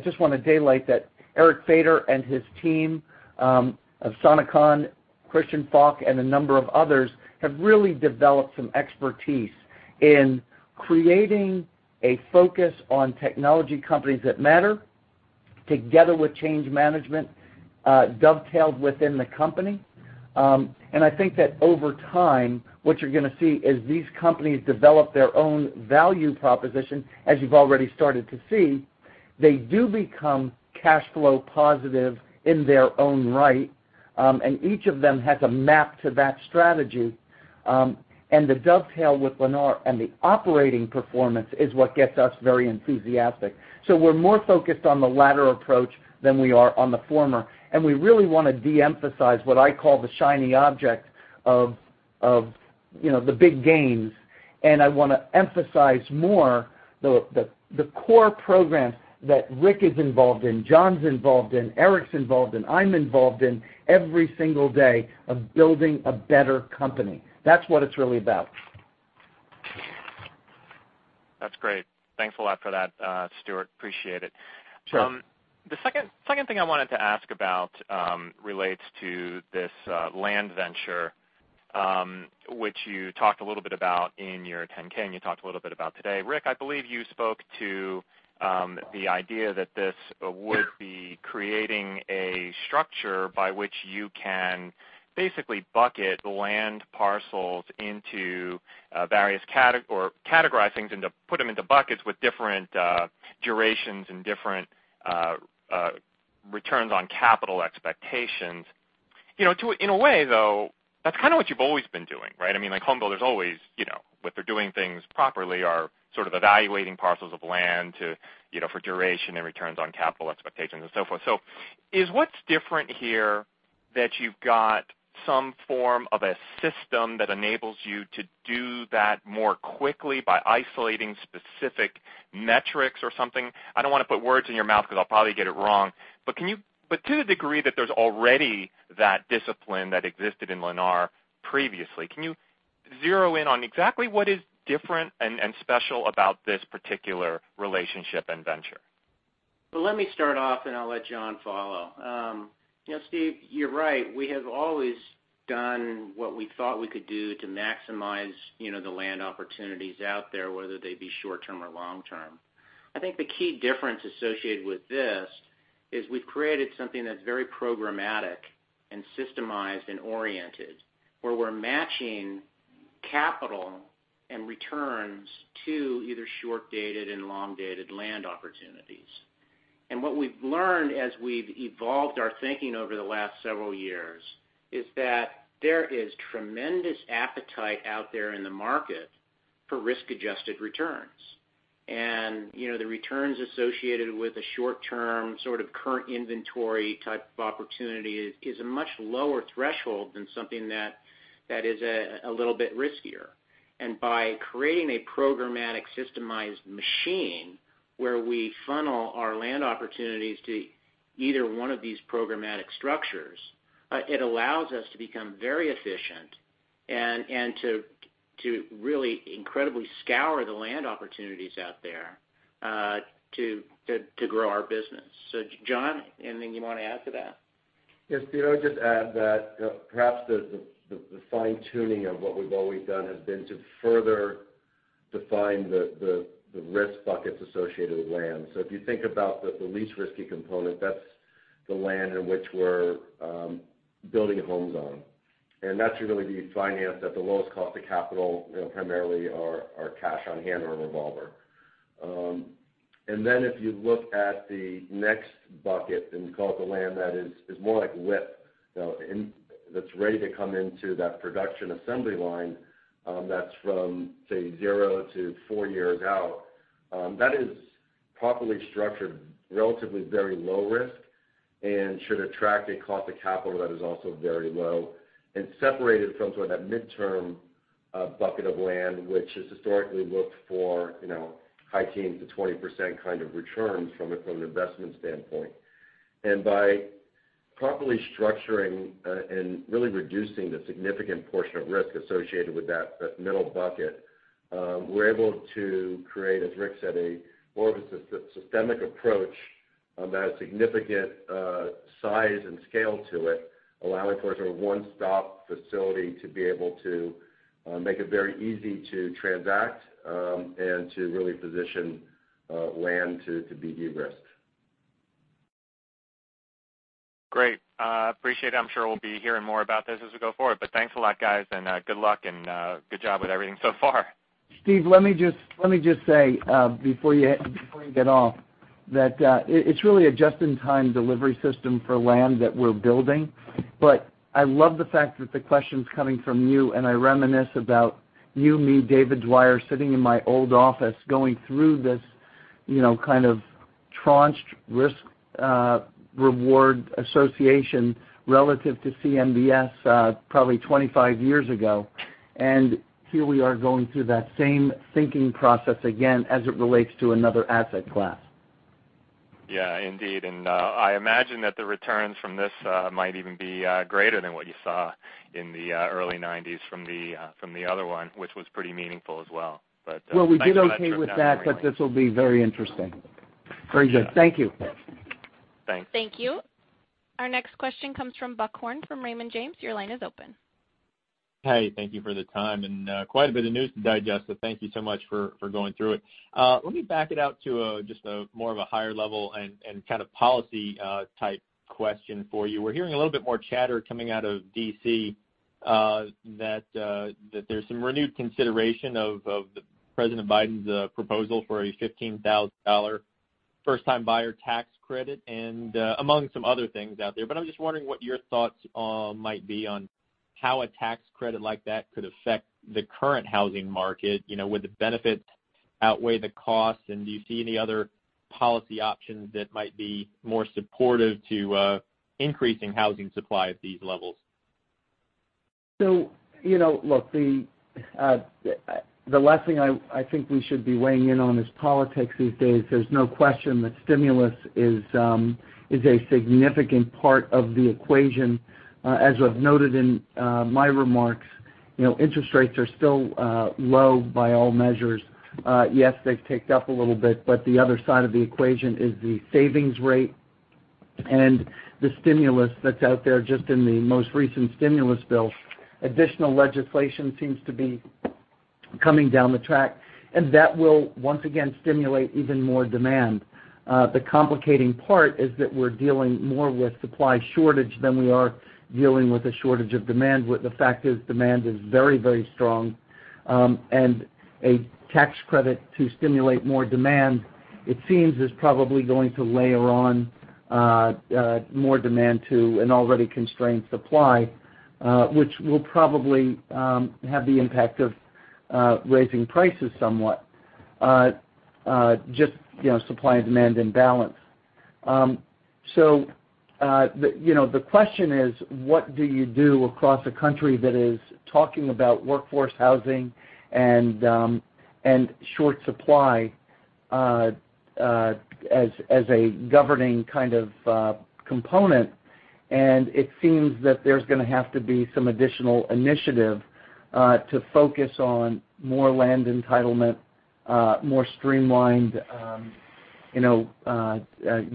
just want to daylight that Eric Feder and his team of Sana Khan, Christian Falk, and a number of others have really developed some expertise in creating a focus on technology companies that matter, together with change management, dovetailed within the company. I think that over time, what you're going to see is these companies develop their own value proposition, as you've already started to see. They do become cash flow positive in their own right, and each of them has a map to that strategy. The dovetail with Lennar and the operating performance is what gets us very enthusiastic. We're more focused on the latter approach than we are on the former, and we really want to de-emphasize what I call the shiny object of the big gains. I want to emphasize more the core programs that Rick is involved in, Jon's involved in, Eric's involved in, I'm involved in every single day of building a better company. That's what it's really about. That's great. Thanks a lot for that, Stuart. Appreciate it. Sure. The second thing I wanted to ask about relates to this land venture, which you talked a little bit about in your 10-K, and you talked a little bit about today. Rick, I believe you spoke to the idea that this would be creating a structure by which you can basically bucket land parcels into various categories or categorize things and to put them into buckets with different durations and different returns on capital expectations. In a way, though, that's kind of what you've always been doing, right? Home builders always, when they're doing things properly, are sort of evaluating parcels of land for duration and returns on capital expectations and so forth. Is what's different here that you've got some form of a system that enables you to do that more quickly by isolating specific metrics or something? I don't want to put words in your mouth because I'll probably get it wrong. To the degree that there's already that discipline that existed in Lennar previously, can you zero in on exactly what is different and special about this particular relationship and venture? Well, let me start off and I'll let Jon follow. Stephen, you're right. We have always done what we thought we could do to maximize the land opportunities out there, whether they be short-term or long-term. I think the key difference associated with this is we've created something that's very programmatic and systemized and oriented, where we're matching capital and returns to either short-dated and long-dated land opportunities. What we've learned as we've evolved our thinking over the last several years is that there is tremendous appetite out there in the market for risk-adjusted returns. The returns associated with a short-term sort of current inventory type of opportunity is a much lower threshold than something that is a little bit riskier. By creating a programmatic, systemized machine where we funnel our land opportunities to either one of these programmatic structures, it allows us to become very efficient and to really incredibly scour the land opportunities out there to grow our business. Jon, anything you want to add to that? Yes, Steve, I would just add that perhaps the fine-tuning of what we've always done has been to further define the risk buckets associated with land. If you think about the least risky component, that's the land in which we're building homes on. That should really be financed at the lowest cost of capital, primarily our cash on hand or a revolver. If you look at the next bucket, and we call it the land that is more like WIP, that's ready to come into that production assembly line. That's from, say, zero to four years out. That is properly structured, relatively very low risk, and should attract a cost of capital that is also very low, and separate it from sort of that midterm bucket of land, which has historically looked for high teens to 20% kind of returns from an investment standpoint. By properly structuring and really reducing the significant portion of risk associated with that middle bucket, we're able to create, as Rick said, more of a systemic approach that has significant size and scale to it, allowing for sort of a one-stop facility to be able to make it very easy to transact, and to really position land to be de-risked. Great. Appreciate it. I'm sure we'll be hearing more about this as we go forward. Thanks a lot, guys, and good luck and good job with everything so far. Stephen, let me just say before you get off, that it's really a just-in-time delivery system for land that we're building. I love the fact that the question's coming from you, and I reminisce about you, me, David Dwyer, sitting in my old office going through this kind of tranched risk-reward association relative to CMBS probably 25 years ago. Here we are going through that same thinking process again as it relates to another asset class. Yeah, indeed. I imagine that the returns from this might even be greater than what you saw in the early 90s from the other one, which was pretty meaningful as well. Thanks for that trip down memory lane. We did okay with that, but this will be very interesting. Very good. Thank you. Thanks. Thank you. Our next question comes from Buck Horne, from Raymond James. Your line is open. Hey, thank you for the time, and quite a bit of news to digest, so thank you so much for going through it. Let me back it out to just more of a higher level and kind of policy type question for you. We're hearing a little bit more chatter coming out of D.C. that there's some renewed consideration of President Biden's proposal for a $15,000 first-time buyer tax credit, and among some other things out there. I'm just wondering what your thoughts might be on how a tax credit like that could affect the current housing market. Would the benefits outweigh the costs, and do you see any other policy options that might be more supportive to increasing housing supply at these levels? Look, the last thing I think we should be weighing in on is politics these days. There's no question that stimulus is a significant part of the equation. As I've noted in my remarks, interest rates are still low by all measures. Yes, they've ticked up a little bit, but the other side of the equation is the savings rate and the stimulus that's out there just in the most recent stimulus bill. Additional legislation seems to be coming down the track, and that will once again stimulate even more demand. The complicating part is that we're dealing more with supply shortage than we are dealing with a shortage of demand. What the fact is, demand is very strong. A tax credit to stimulate more demand, it seems, is probably going to layer on more demand to an already constrained supply, which will probably have the impact of raising prices somewhat. Just supply and demand imbalance. The question is, what do you do across a country that is talking about workforce housing and short supply as a governing kind of component. It seems that there's going to have to be some additional initiative to focus on more land entitlement, more streamlined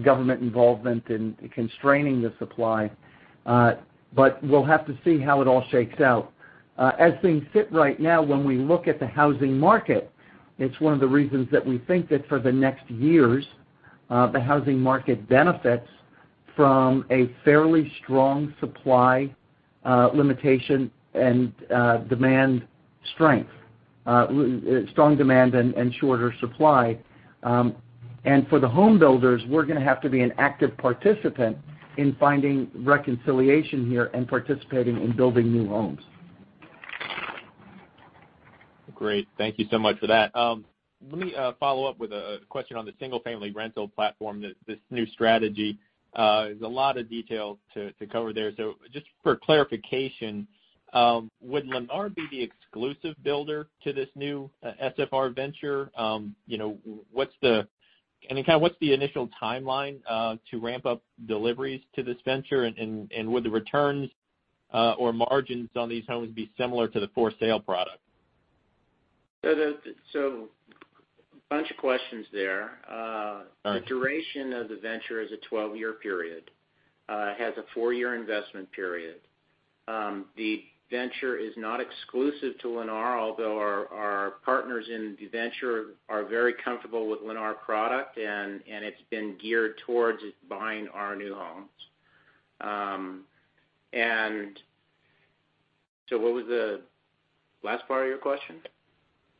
government involvement in constraining the supply. We'll have to see how it all shakes out. As things sit right now, when we look at the housing market, it's one of the reasons that we think that for the next years, the housing market benefits from a fairly strong supply limitation and demand strength. Strong demand and shorter supply. For the home builders, we're going to have to be an active participant in finding reconciliation here and participating in building new homes. Great. Thank you so much for that. Let me follow up with a question on the single-family rental platform, this new strategy. There's a lot of detail to cover there. Just for clarification, would Lennar be the exclusive builder to this new SFR venture? What's the initial timeline to ramp up deliveries to this venture? Would the returns or margins on these homes be similar to the for sale product? A bunch of questions there. The duration of the venture is a 12-year period. It has a four-year investment period. The venture is not exclusive to Lennar, although our partners in the venture are very comfortable with Lennar product, and it's been geared towards buying our new homes. What was the last part of your question?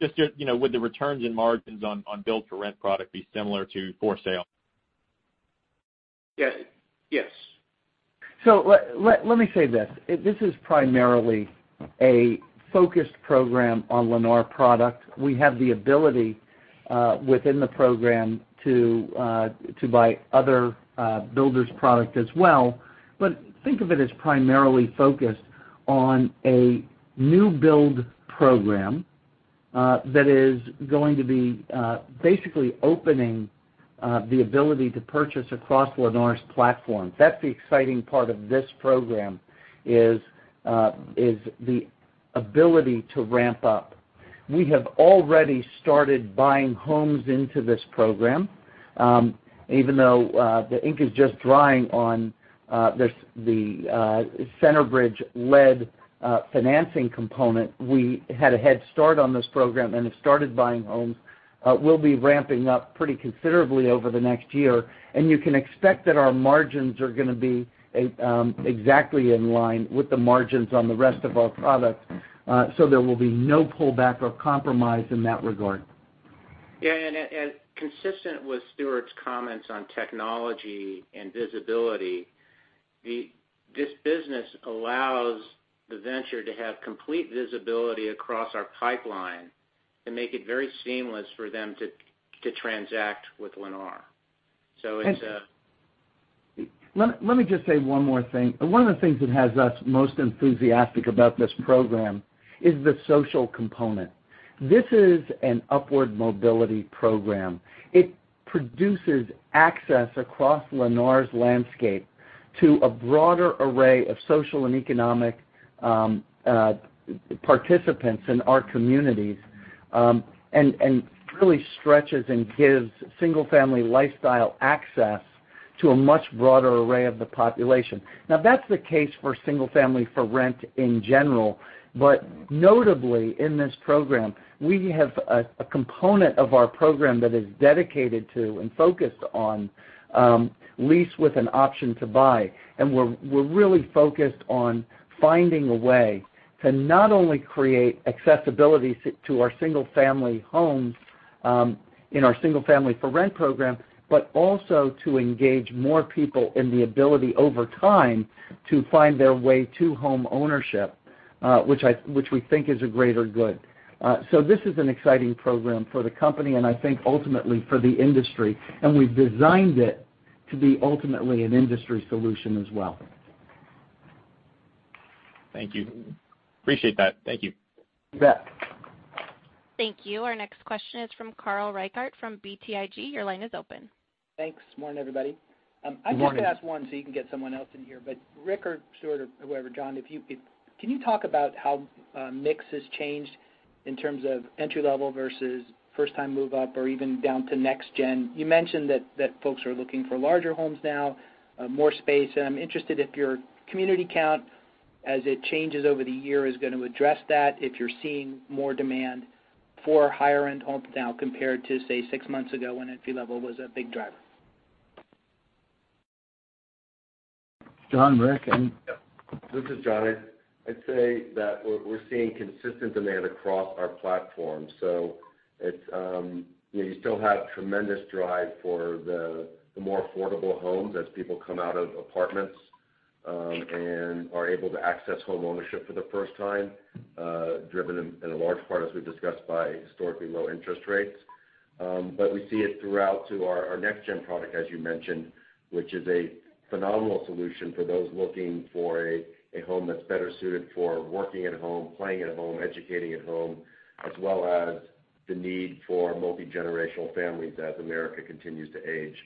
Just would the returns and margins on build for rent product be similar to for sale? Yes. Let me say this. This is primarily a focused program on Lennar product. We have the ability within the program to buy other builders product as well. Think of it as primarily focused on a new build program, that is going to be basically opening the ability to purchase across Lennar's platform. That's the exciting part of this program is the ability to ramp up. We have already started buying homes into this program. Even though the ink is just drying on the Centerbridge-led financing component, we had a head start on this program and have started buying homes. We'll be ramping up pretty considerably over the next year. You can expect that our margins are going to be exactly in line with the margins on the rest of our products. There will be no pullback or compromise in that regard. Yeah. Consistent with Stuart's comments on technology and visibility, this business allows the venture to have complete visibility across our pipeline and make it very seamless for them to transact with Lennar. Let me just say one more thing. One of the things that has us most enthusiastic about this program is the social component. This is an upward mobility program. It produces access across Lennar's landscape to a broader array of social and economic participants in our communities, and really stretches and gives single-family lifestyle access to a much broader array of the population. Now that's the case for single family for rent in general. Notably in this program, we have a component of our program that is dedicated to and focused on lease with an option to buy. We're really focused on finding a way to not only create accessibility to our single-family homes in our single family for rent program, but also to engage more people in the ability over time to find their way to home ownership, which we think is a greater good. This is an exciting program for the company, and I think ultimately for the industry. We've designed it to be ultimately an industry solution as well. Thank you. Appreciate that. Thank you. You bet. Thank you. Our next question is from Carl Reichardt from BTIG. Your line is open. Thanks. Morning, everybody. I'm just going to ask one so you can get someone else in here. Rick or Stuart or whoever, Jon, can you talk about how mix has changed in terms of entry-level versus first time move up or even down to Next Gen®? You mentioned that folks are looking for larger homes now, more space, and I'm interested if your community count as it changes over the year is going to address that, if you're seeing more demand for higher-end homes now compared to, say, six months ago when entry-level was a big driver. Jon, Rick? Yep. This is Jon. I'd say we're seeing consistent demand across our platform. You still have tremendous drive for the more affordable homes as people come out of apartments and are able to access homeownership for the first time, driven in a large part, as we've discussed, by historically low interest rates. We see it throughout to our Next Gen product, as you mentioned, which is a phenomenal solution for those looking for a home that's better suited for working at home, playing at home, educating at home, as well as the need for multigenerational families as America continues to age.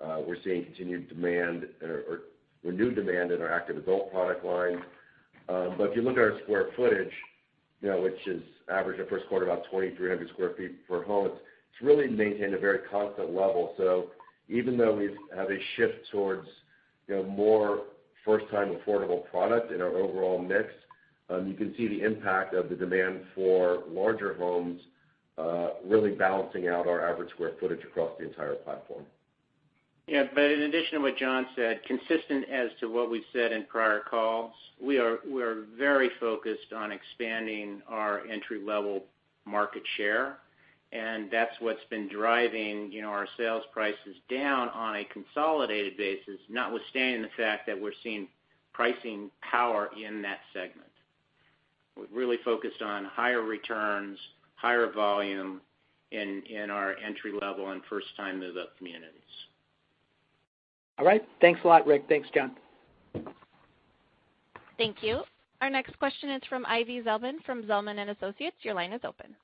We're seeing continued demand or new demand in our active adult product line. If you look at our square footage, which is average our first quarter about 2,300 sq ft per home, it's really maintained a very constant level. Even though we have a shift towards more first-time affordable product in our overall mix, you can see the impact of the demand for larger homes really balancing out our average square footage across the entire platform. In addition to what Jon said, consistent as to what we've said in prior calls, we are very focused on expanding our entry-level market share, and that's what's been driving our sales prices down on a consolidated basis, notwithstanding the fact that we're seeing pricing power in that segment. We're really focused on higher returns, higher volume in our entry-level and first-time move-up communities. All right. Thanks a lot, Rick. Thanks, Jon. Thank you. Our next question is from Ivy Zelman from Zelman & Associates. Your line is open.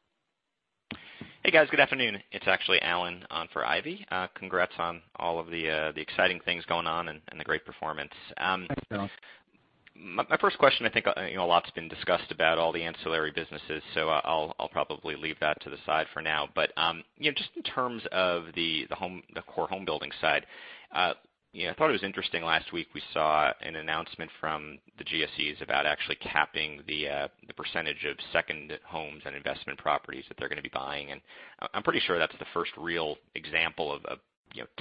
Hey, guys. Good afternoon. It's actually Alan on for Ivy. Congrats on all of the exciting things going on and the great performance. Thanks, Alan. My first question, I think, a lot's been discussed about all the ancillary businesses, I'll probably leave that to the side for now. Just in terms of the core home building side, I thought it was interesting last week we saw an announcement from the GSEs about actually capping the percentage of second homes and investment properties that they're going to be buying, and I'm pretty sure that's the first real example of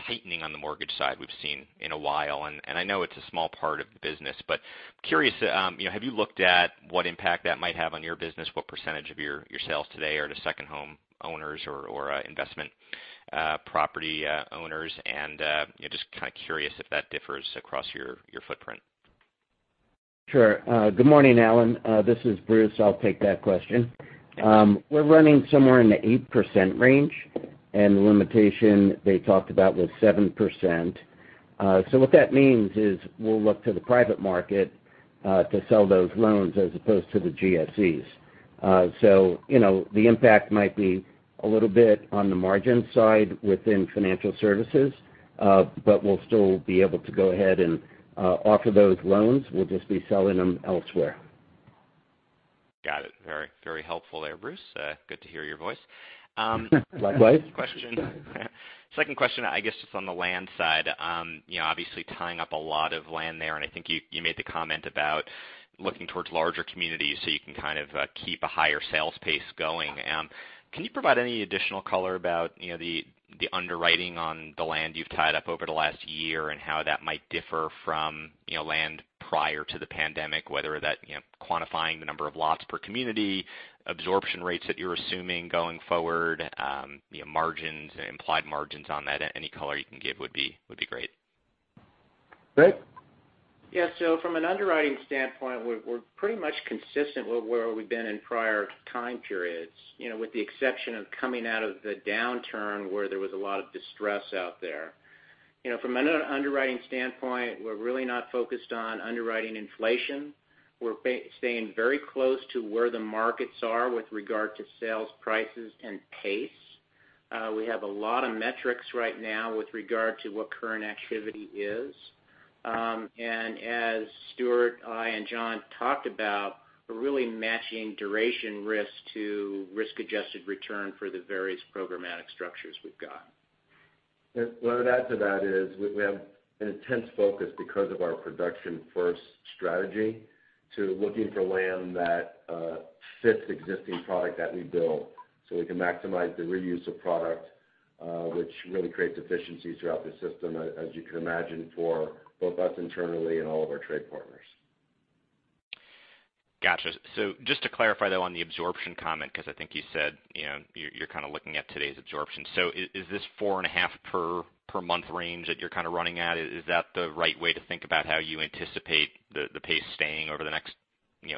tightening on the mortgage side we've seen in a while. I know it's a small part of the business, but curious, have you looked at what impact that might have on your business? What percentage of your sales today are to second home owners or investment property owners? Just kind of curious if that differs across your footprint. Sure. Good morning, Alan. This is Bruce. I'll take that question. We're running somewhere in the 8% range, and the limitation they talked about was 7%. What that means is we'll look to the private market, to sell those loans as opposed to the GSEs. The impact might be a little bit on the margin side within Lennar Financial Services, but we'll still be able to go ahead and offer those loans. We'll just be selling them elsewhere. Got it. Very helpful there, Bruce. Good to hear your voice. Likewise. Second question, I guess, just on the land side. Obviously tying up a lot of land there, and I think you made the comment about looking towards larger communities so you can kind of keep a higher sales pace going. Can you provide any additional color about the underwriting on the land you've tied up over the last year and how that might differ from land prior to the pandemic, whether that quantifying the number of lots per community, absorption rates that you're assuming going forward, margins and implied margins on that? Any color you can give would be great. Rick? From an underwriting standpoint, we're pretty much consistent with where we've been in prior time periods, with the exception of coming out of the downturn where there was a lot of distress out there. From an underwriting standpoint, we're really not focused on underwriting inflation. We're staying very close to where the markets are with regard to sales prices and pace. We have a lot of metrics right now with regard to what current activity is. As Stuart, I, and Jon talked about, we're really matching duration risk to risk-adjusted return for the various programmatic structures we've got. What I'd add to that is we have an intense focus because of our production-first strategy to looking for land that fits existing product that we build so we can maximize the reuse of product, which really creates efficiency throughout the system, as you can imagine, for both us internally and all of our trade partners. Got you. Just to clarify, though, on the absorption comment, because I think you said you're kind of looking at today's absorption. Is this four and a half per month range that you're kind of running at, is that the right way to think about how you anticipate the pace staying over the next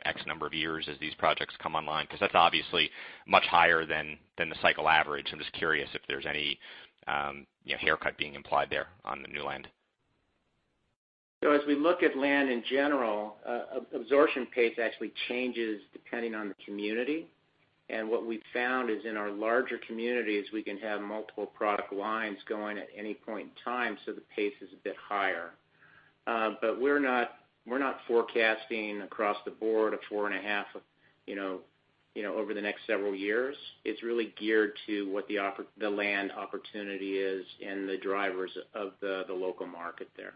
X number of years as these projects come online? That's obviously much higher than the cycle average. I'm just curious if there's any haircut being implied there on the new land. As we look at land in general, absorption pace actually changes depending on the community. What we've found is in our larger communities, we can have multiple product lines going at any point in time, so the pace is a bit higher. We're not forecasting across the board a 4.5 over the next several years. It's really geared to what the land opportunity is and the drivers of the local market there.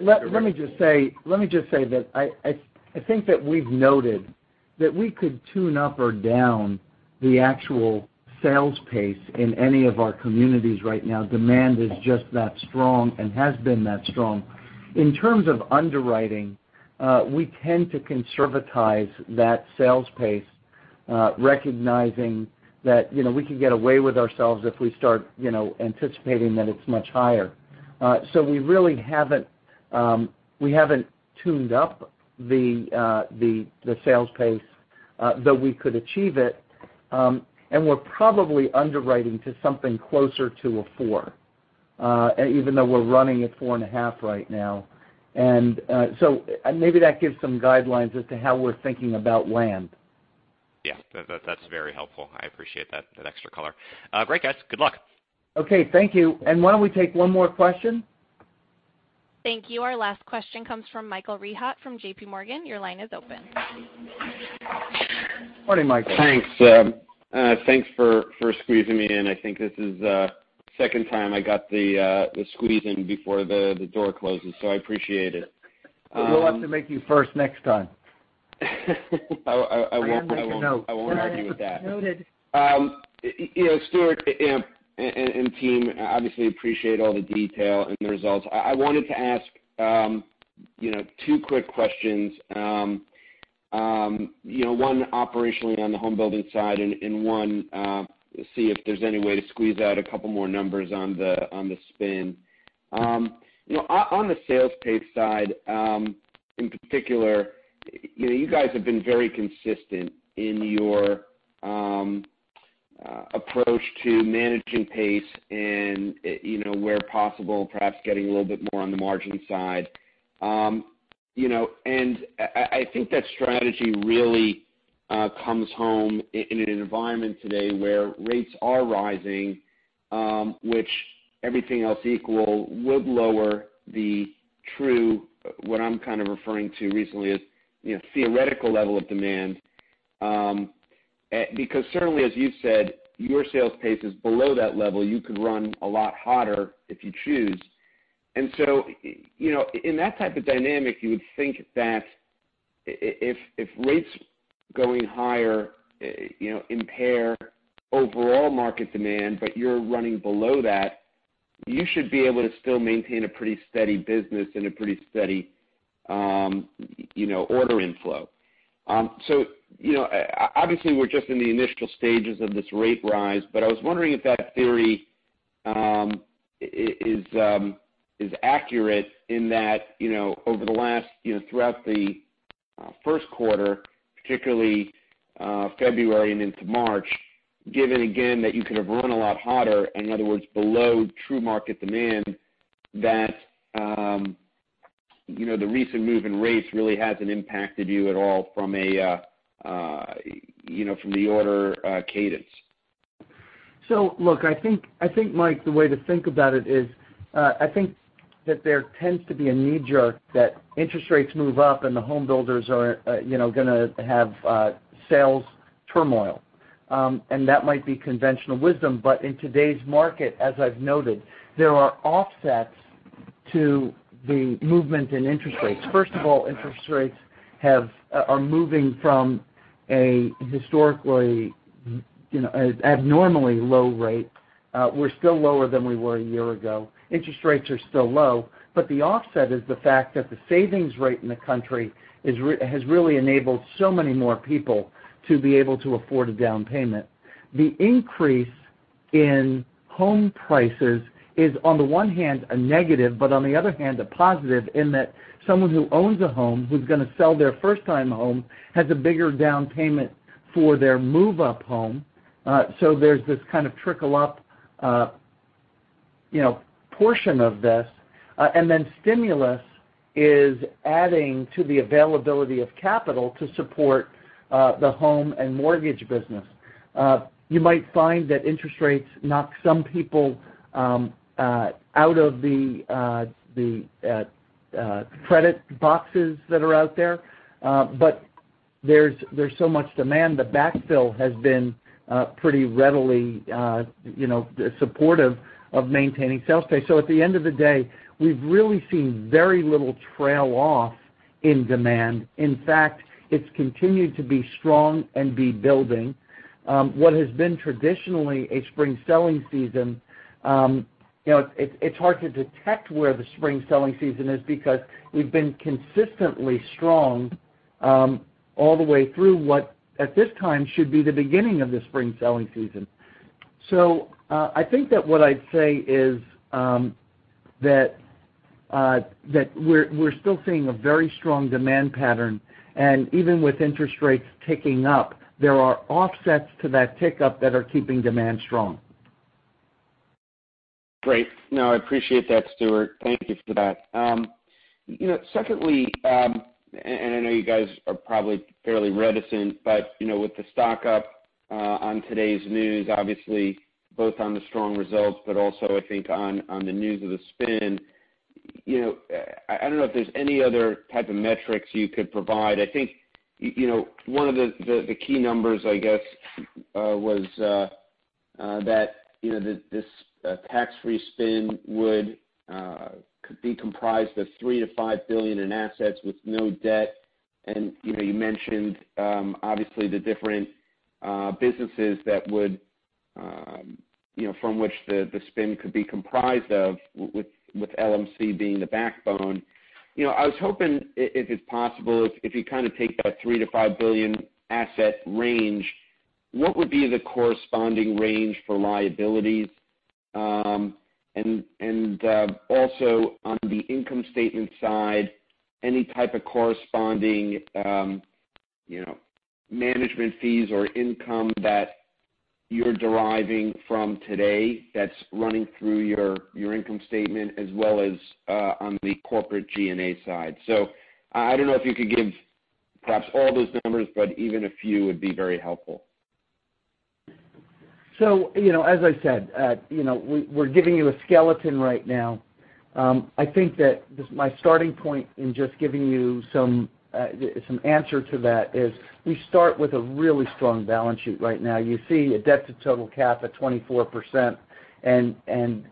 Let me just say that I think that we've noted that we could tune up or down the actual sales pace in any of our communities right now. Demand is just that strong and has been that strong. In terms of underwriting, we tend to conservatize that sales pace, recognizing that we could get away with ourselves if we start anticipating that it's much higher. We really haven't tuned up the sales pace, though we could achieve it. We're probably underwriting to something closer to a four even though we're running at four and a half right now. Maybe that gives some guidelines as to how we're thinking about land. That's very helpful. I appreciate that extra color. Great, guys. Good luck. Okay, thank you. Why don't we take one more question? Thank you. Our last question comes from Michael Rehaut from JPMorgan. Your line is open. Morning, Michael. Thanks. Thanks for squeezing me in. I think this is the second time I got the squeeze in before the door closes. I appreciate it. We'll have to make you first next time. I won't- I have to make a note. I won't argue with that. Noted. Stuart and team, obviously appreciate all the detail and the results. I wanted to ask two quick questions. One operationally on the home building side and one to see if there's any way to squeeze out a couple more numbers on the spin. On the sales pace side, in particular, you guys have been very consistent in your approach to managing pace and where possible, perhaps getting a little bit more on the margin side. I think that strategy really comes home in an environment today where rates are rising, which everything else equal would lower the true, what I'm kind of referring to recently as theoretical level of demand. Certainly, as you've said, your sales pace is below that level. You could run a lot hotter if you choose. In that type of dynamic, you would think that if rates going higher impair overall market demand, but you're running below that, you should be able to still maintain a pretty steady business and a pretty steady order inflow. Obviously we're just in the initial stages of this rate rise, but I was wondering if that theory is accurate in that throughout the first quarter, particularly February and into March, given again that you could have run a lot hotter, in other words, below true market demand, that the recent move in rates really hasn't impacted you at all from the order cadence. Look, I think, Mike, the way to think about it is, I think that there tends to be a knee-jerk that interest rates move up and the home builders are going to have sales turmoil. That might be conventional wisdom, but in today's market, as I've noted, there are offsets to the movement in interest rates. First of all, interest rates are moving from a historically abnormally low rate. We're still lower than we were a year ago. Interest rates are still low, but the offset is the fact that the savings rate in the country has really enabled so many more people to be able to afford a down payment. The increase in home prices is on the one hand a negative, but on the other hand, a positive in that someone who owns a home, who's going to sell their first-time home, has a bigger down payment for their move-up home. There's this kind of trickle-up portion of this. Stimulus is adding to the availability of capital to support the home and mortgage business. You might find that interest rates knock some people out of the credit boxes that are out there, but there's so much demand. The backfill has been pretty readily supportive of maintaining sales pace. At the end of the day, we've really seen very little trail off in demand. In fact, it's continued to be strong and be building. What has been traditionally a spring selling season, it's hard to detect where the spring selling season is because we've been consistently strong all the way through what at this time should be the beginning of the spring selling season. I think that what I'd say is that we're still seeing a very strong demand pattern, and even with interest rates ticking up, there are offsets to that tick up that are keeping demand strong. Great. No, I appreciate that, Stuart. Thank you for that. Secondly, I know you guys are probably fairly reticent, but with the stock up on today's news, obviously both on the strong results, but also I think on the news of the spin, I don't know if there's any other type of metrics you could provide. I think one of the key numbers, I guess, was that this tax-free spin could be comprised of $3 billion-$5 billion in assets with no debt. You mentioned obviously the different businesses from which the spin could be comprised of, with LMC being the backbone. I was hoping if it's possible, if you kind of take that $3 billion-$5 billion asset range, what would be the corresponding range for liabilities? Also on the income statement side, any type of corresponding management fees or income that you're deriving from today that's running through your income statement as well as on the corporate G&A side. I don't know if you could give perhaps all those numbers, but even a few would be very helpful. As I said, we're giving you a skeleton right now. I think that my starting point in just giving you some answer to that is we start with a really strong balance sheet right now. You see a debt to total cap at 24% and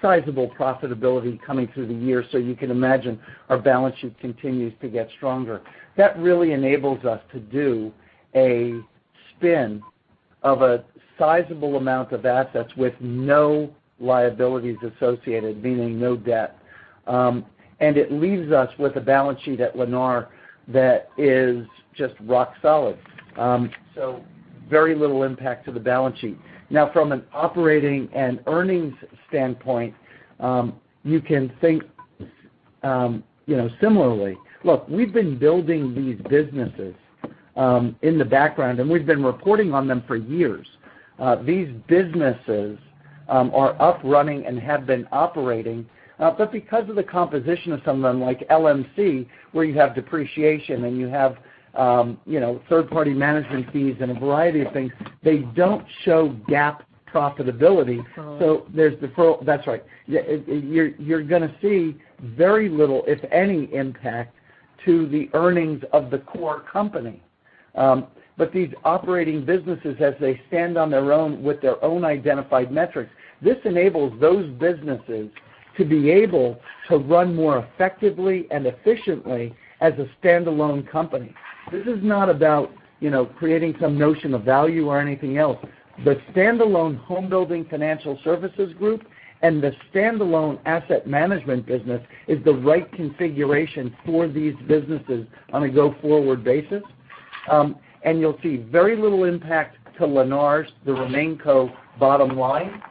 sizable profitability coming through the year. You can imagine our balance sheet continues to get stronger. That really enables us to do a spin of a sizable amount of assets with no liabilities associated, meaning no debt. It leaves us with a balance sheet at Lennar that is just rock solid. Very little impact to the balance sheet. Now, from an operating and earnings standpoint, you can think similarly. Look, we've been building these businesses in the background, and we've been reporting on them for years. These businesses are up running and have been operating. Because of the composition of some of them, like LMC, where you have depreciation and you have third-party management fees and a variety of things, they don't show GAAP profitability. Pro forma. That's right. You're going to see very little, if any, impact to the earnings of the core company. These operating businesses, as they stand on their own with their own identified metrics, this enables those businesses to be able to run more effectively and efficiently as a standalone company. This is not about creating some notion of value or anything else. The standalone home building financial services group and the standalone asset management business is the right configuration for these businesses on a go-forward basis. You'll see very little impact to Lennar's, the RemainCo bottom line,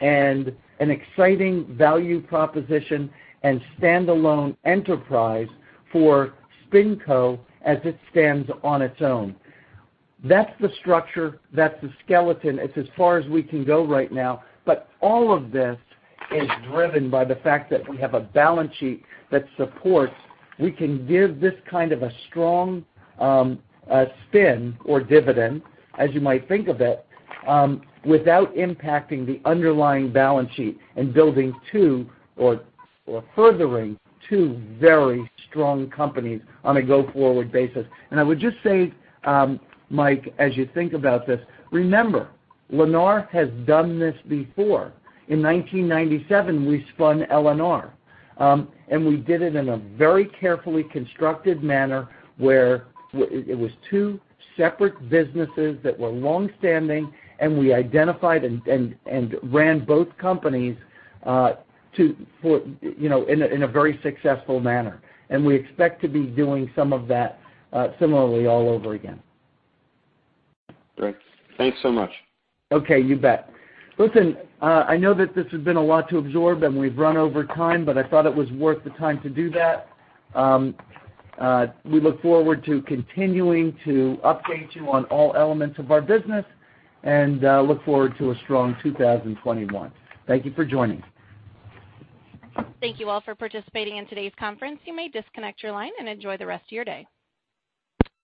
and an exciting value proposition and standalone enterprise for SpinCo as it stands on its own. That's the structure. That's the skeleton. It's as far as we can go right now. All of this is driven by the fact that we have a balance sheet that supports, we can give this kind of a strong spin or dividend, as you might think of it, without impacting the underlying balance sheet and building two, or furthering two very strong companies on a go-forward basis. I would just say, Mike, as you think about this, remember, Lennar has done this before. In 1997, we spun LNR, and we did it in a very carefully constructed manner where it was two separate businesses that were longstanding, and we identified and ran both companies in a very successful manner. We expect to be doing some of that similarly all over again. Great. Thanks so much. Okay, you bet. Listen, I know that this has been a lot to absorb, and we've run over time, but I thought it was worth the time to do that. We look forward to continuing to update you on all elements of our business and look forward to a strong 2021. Thank you for joining. Thank you all for participating in today's conference. You may disconnect your line and enjoy the rest of your day.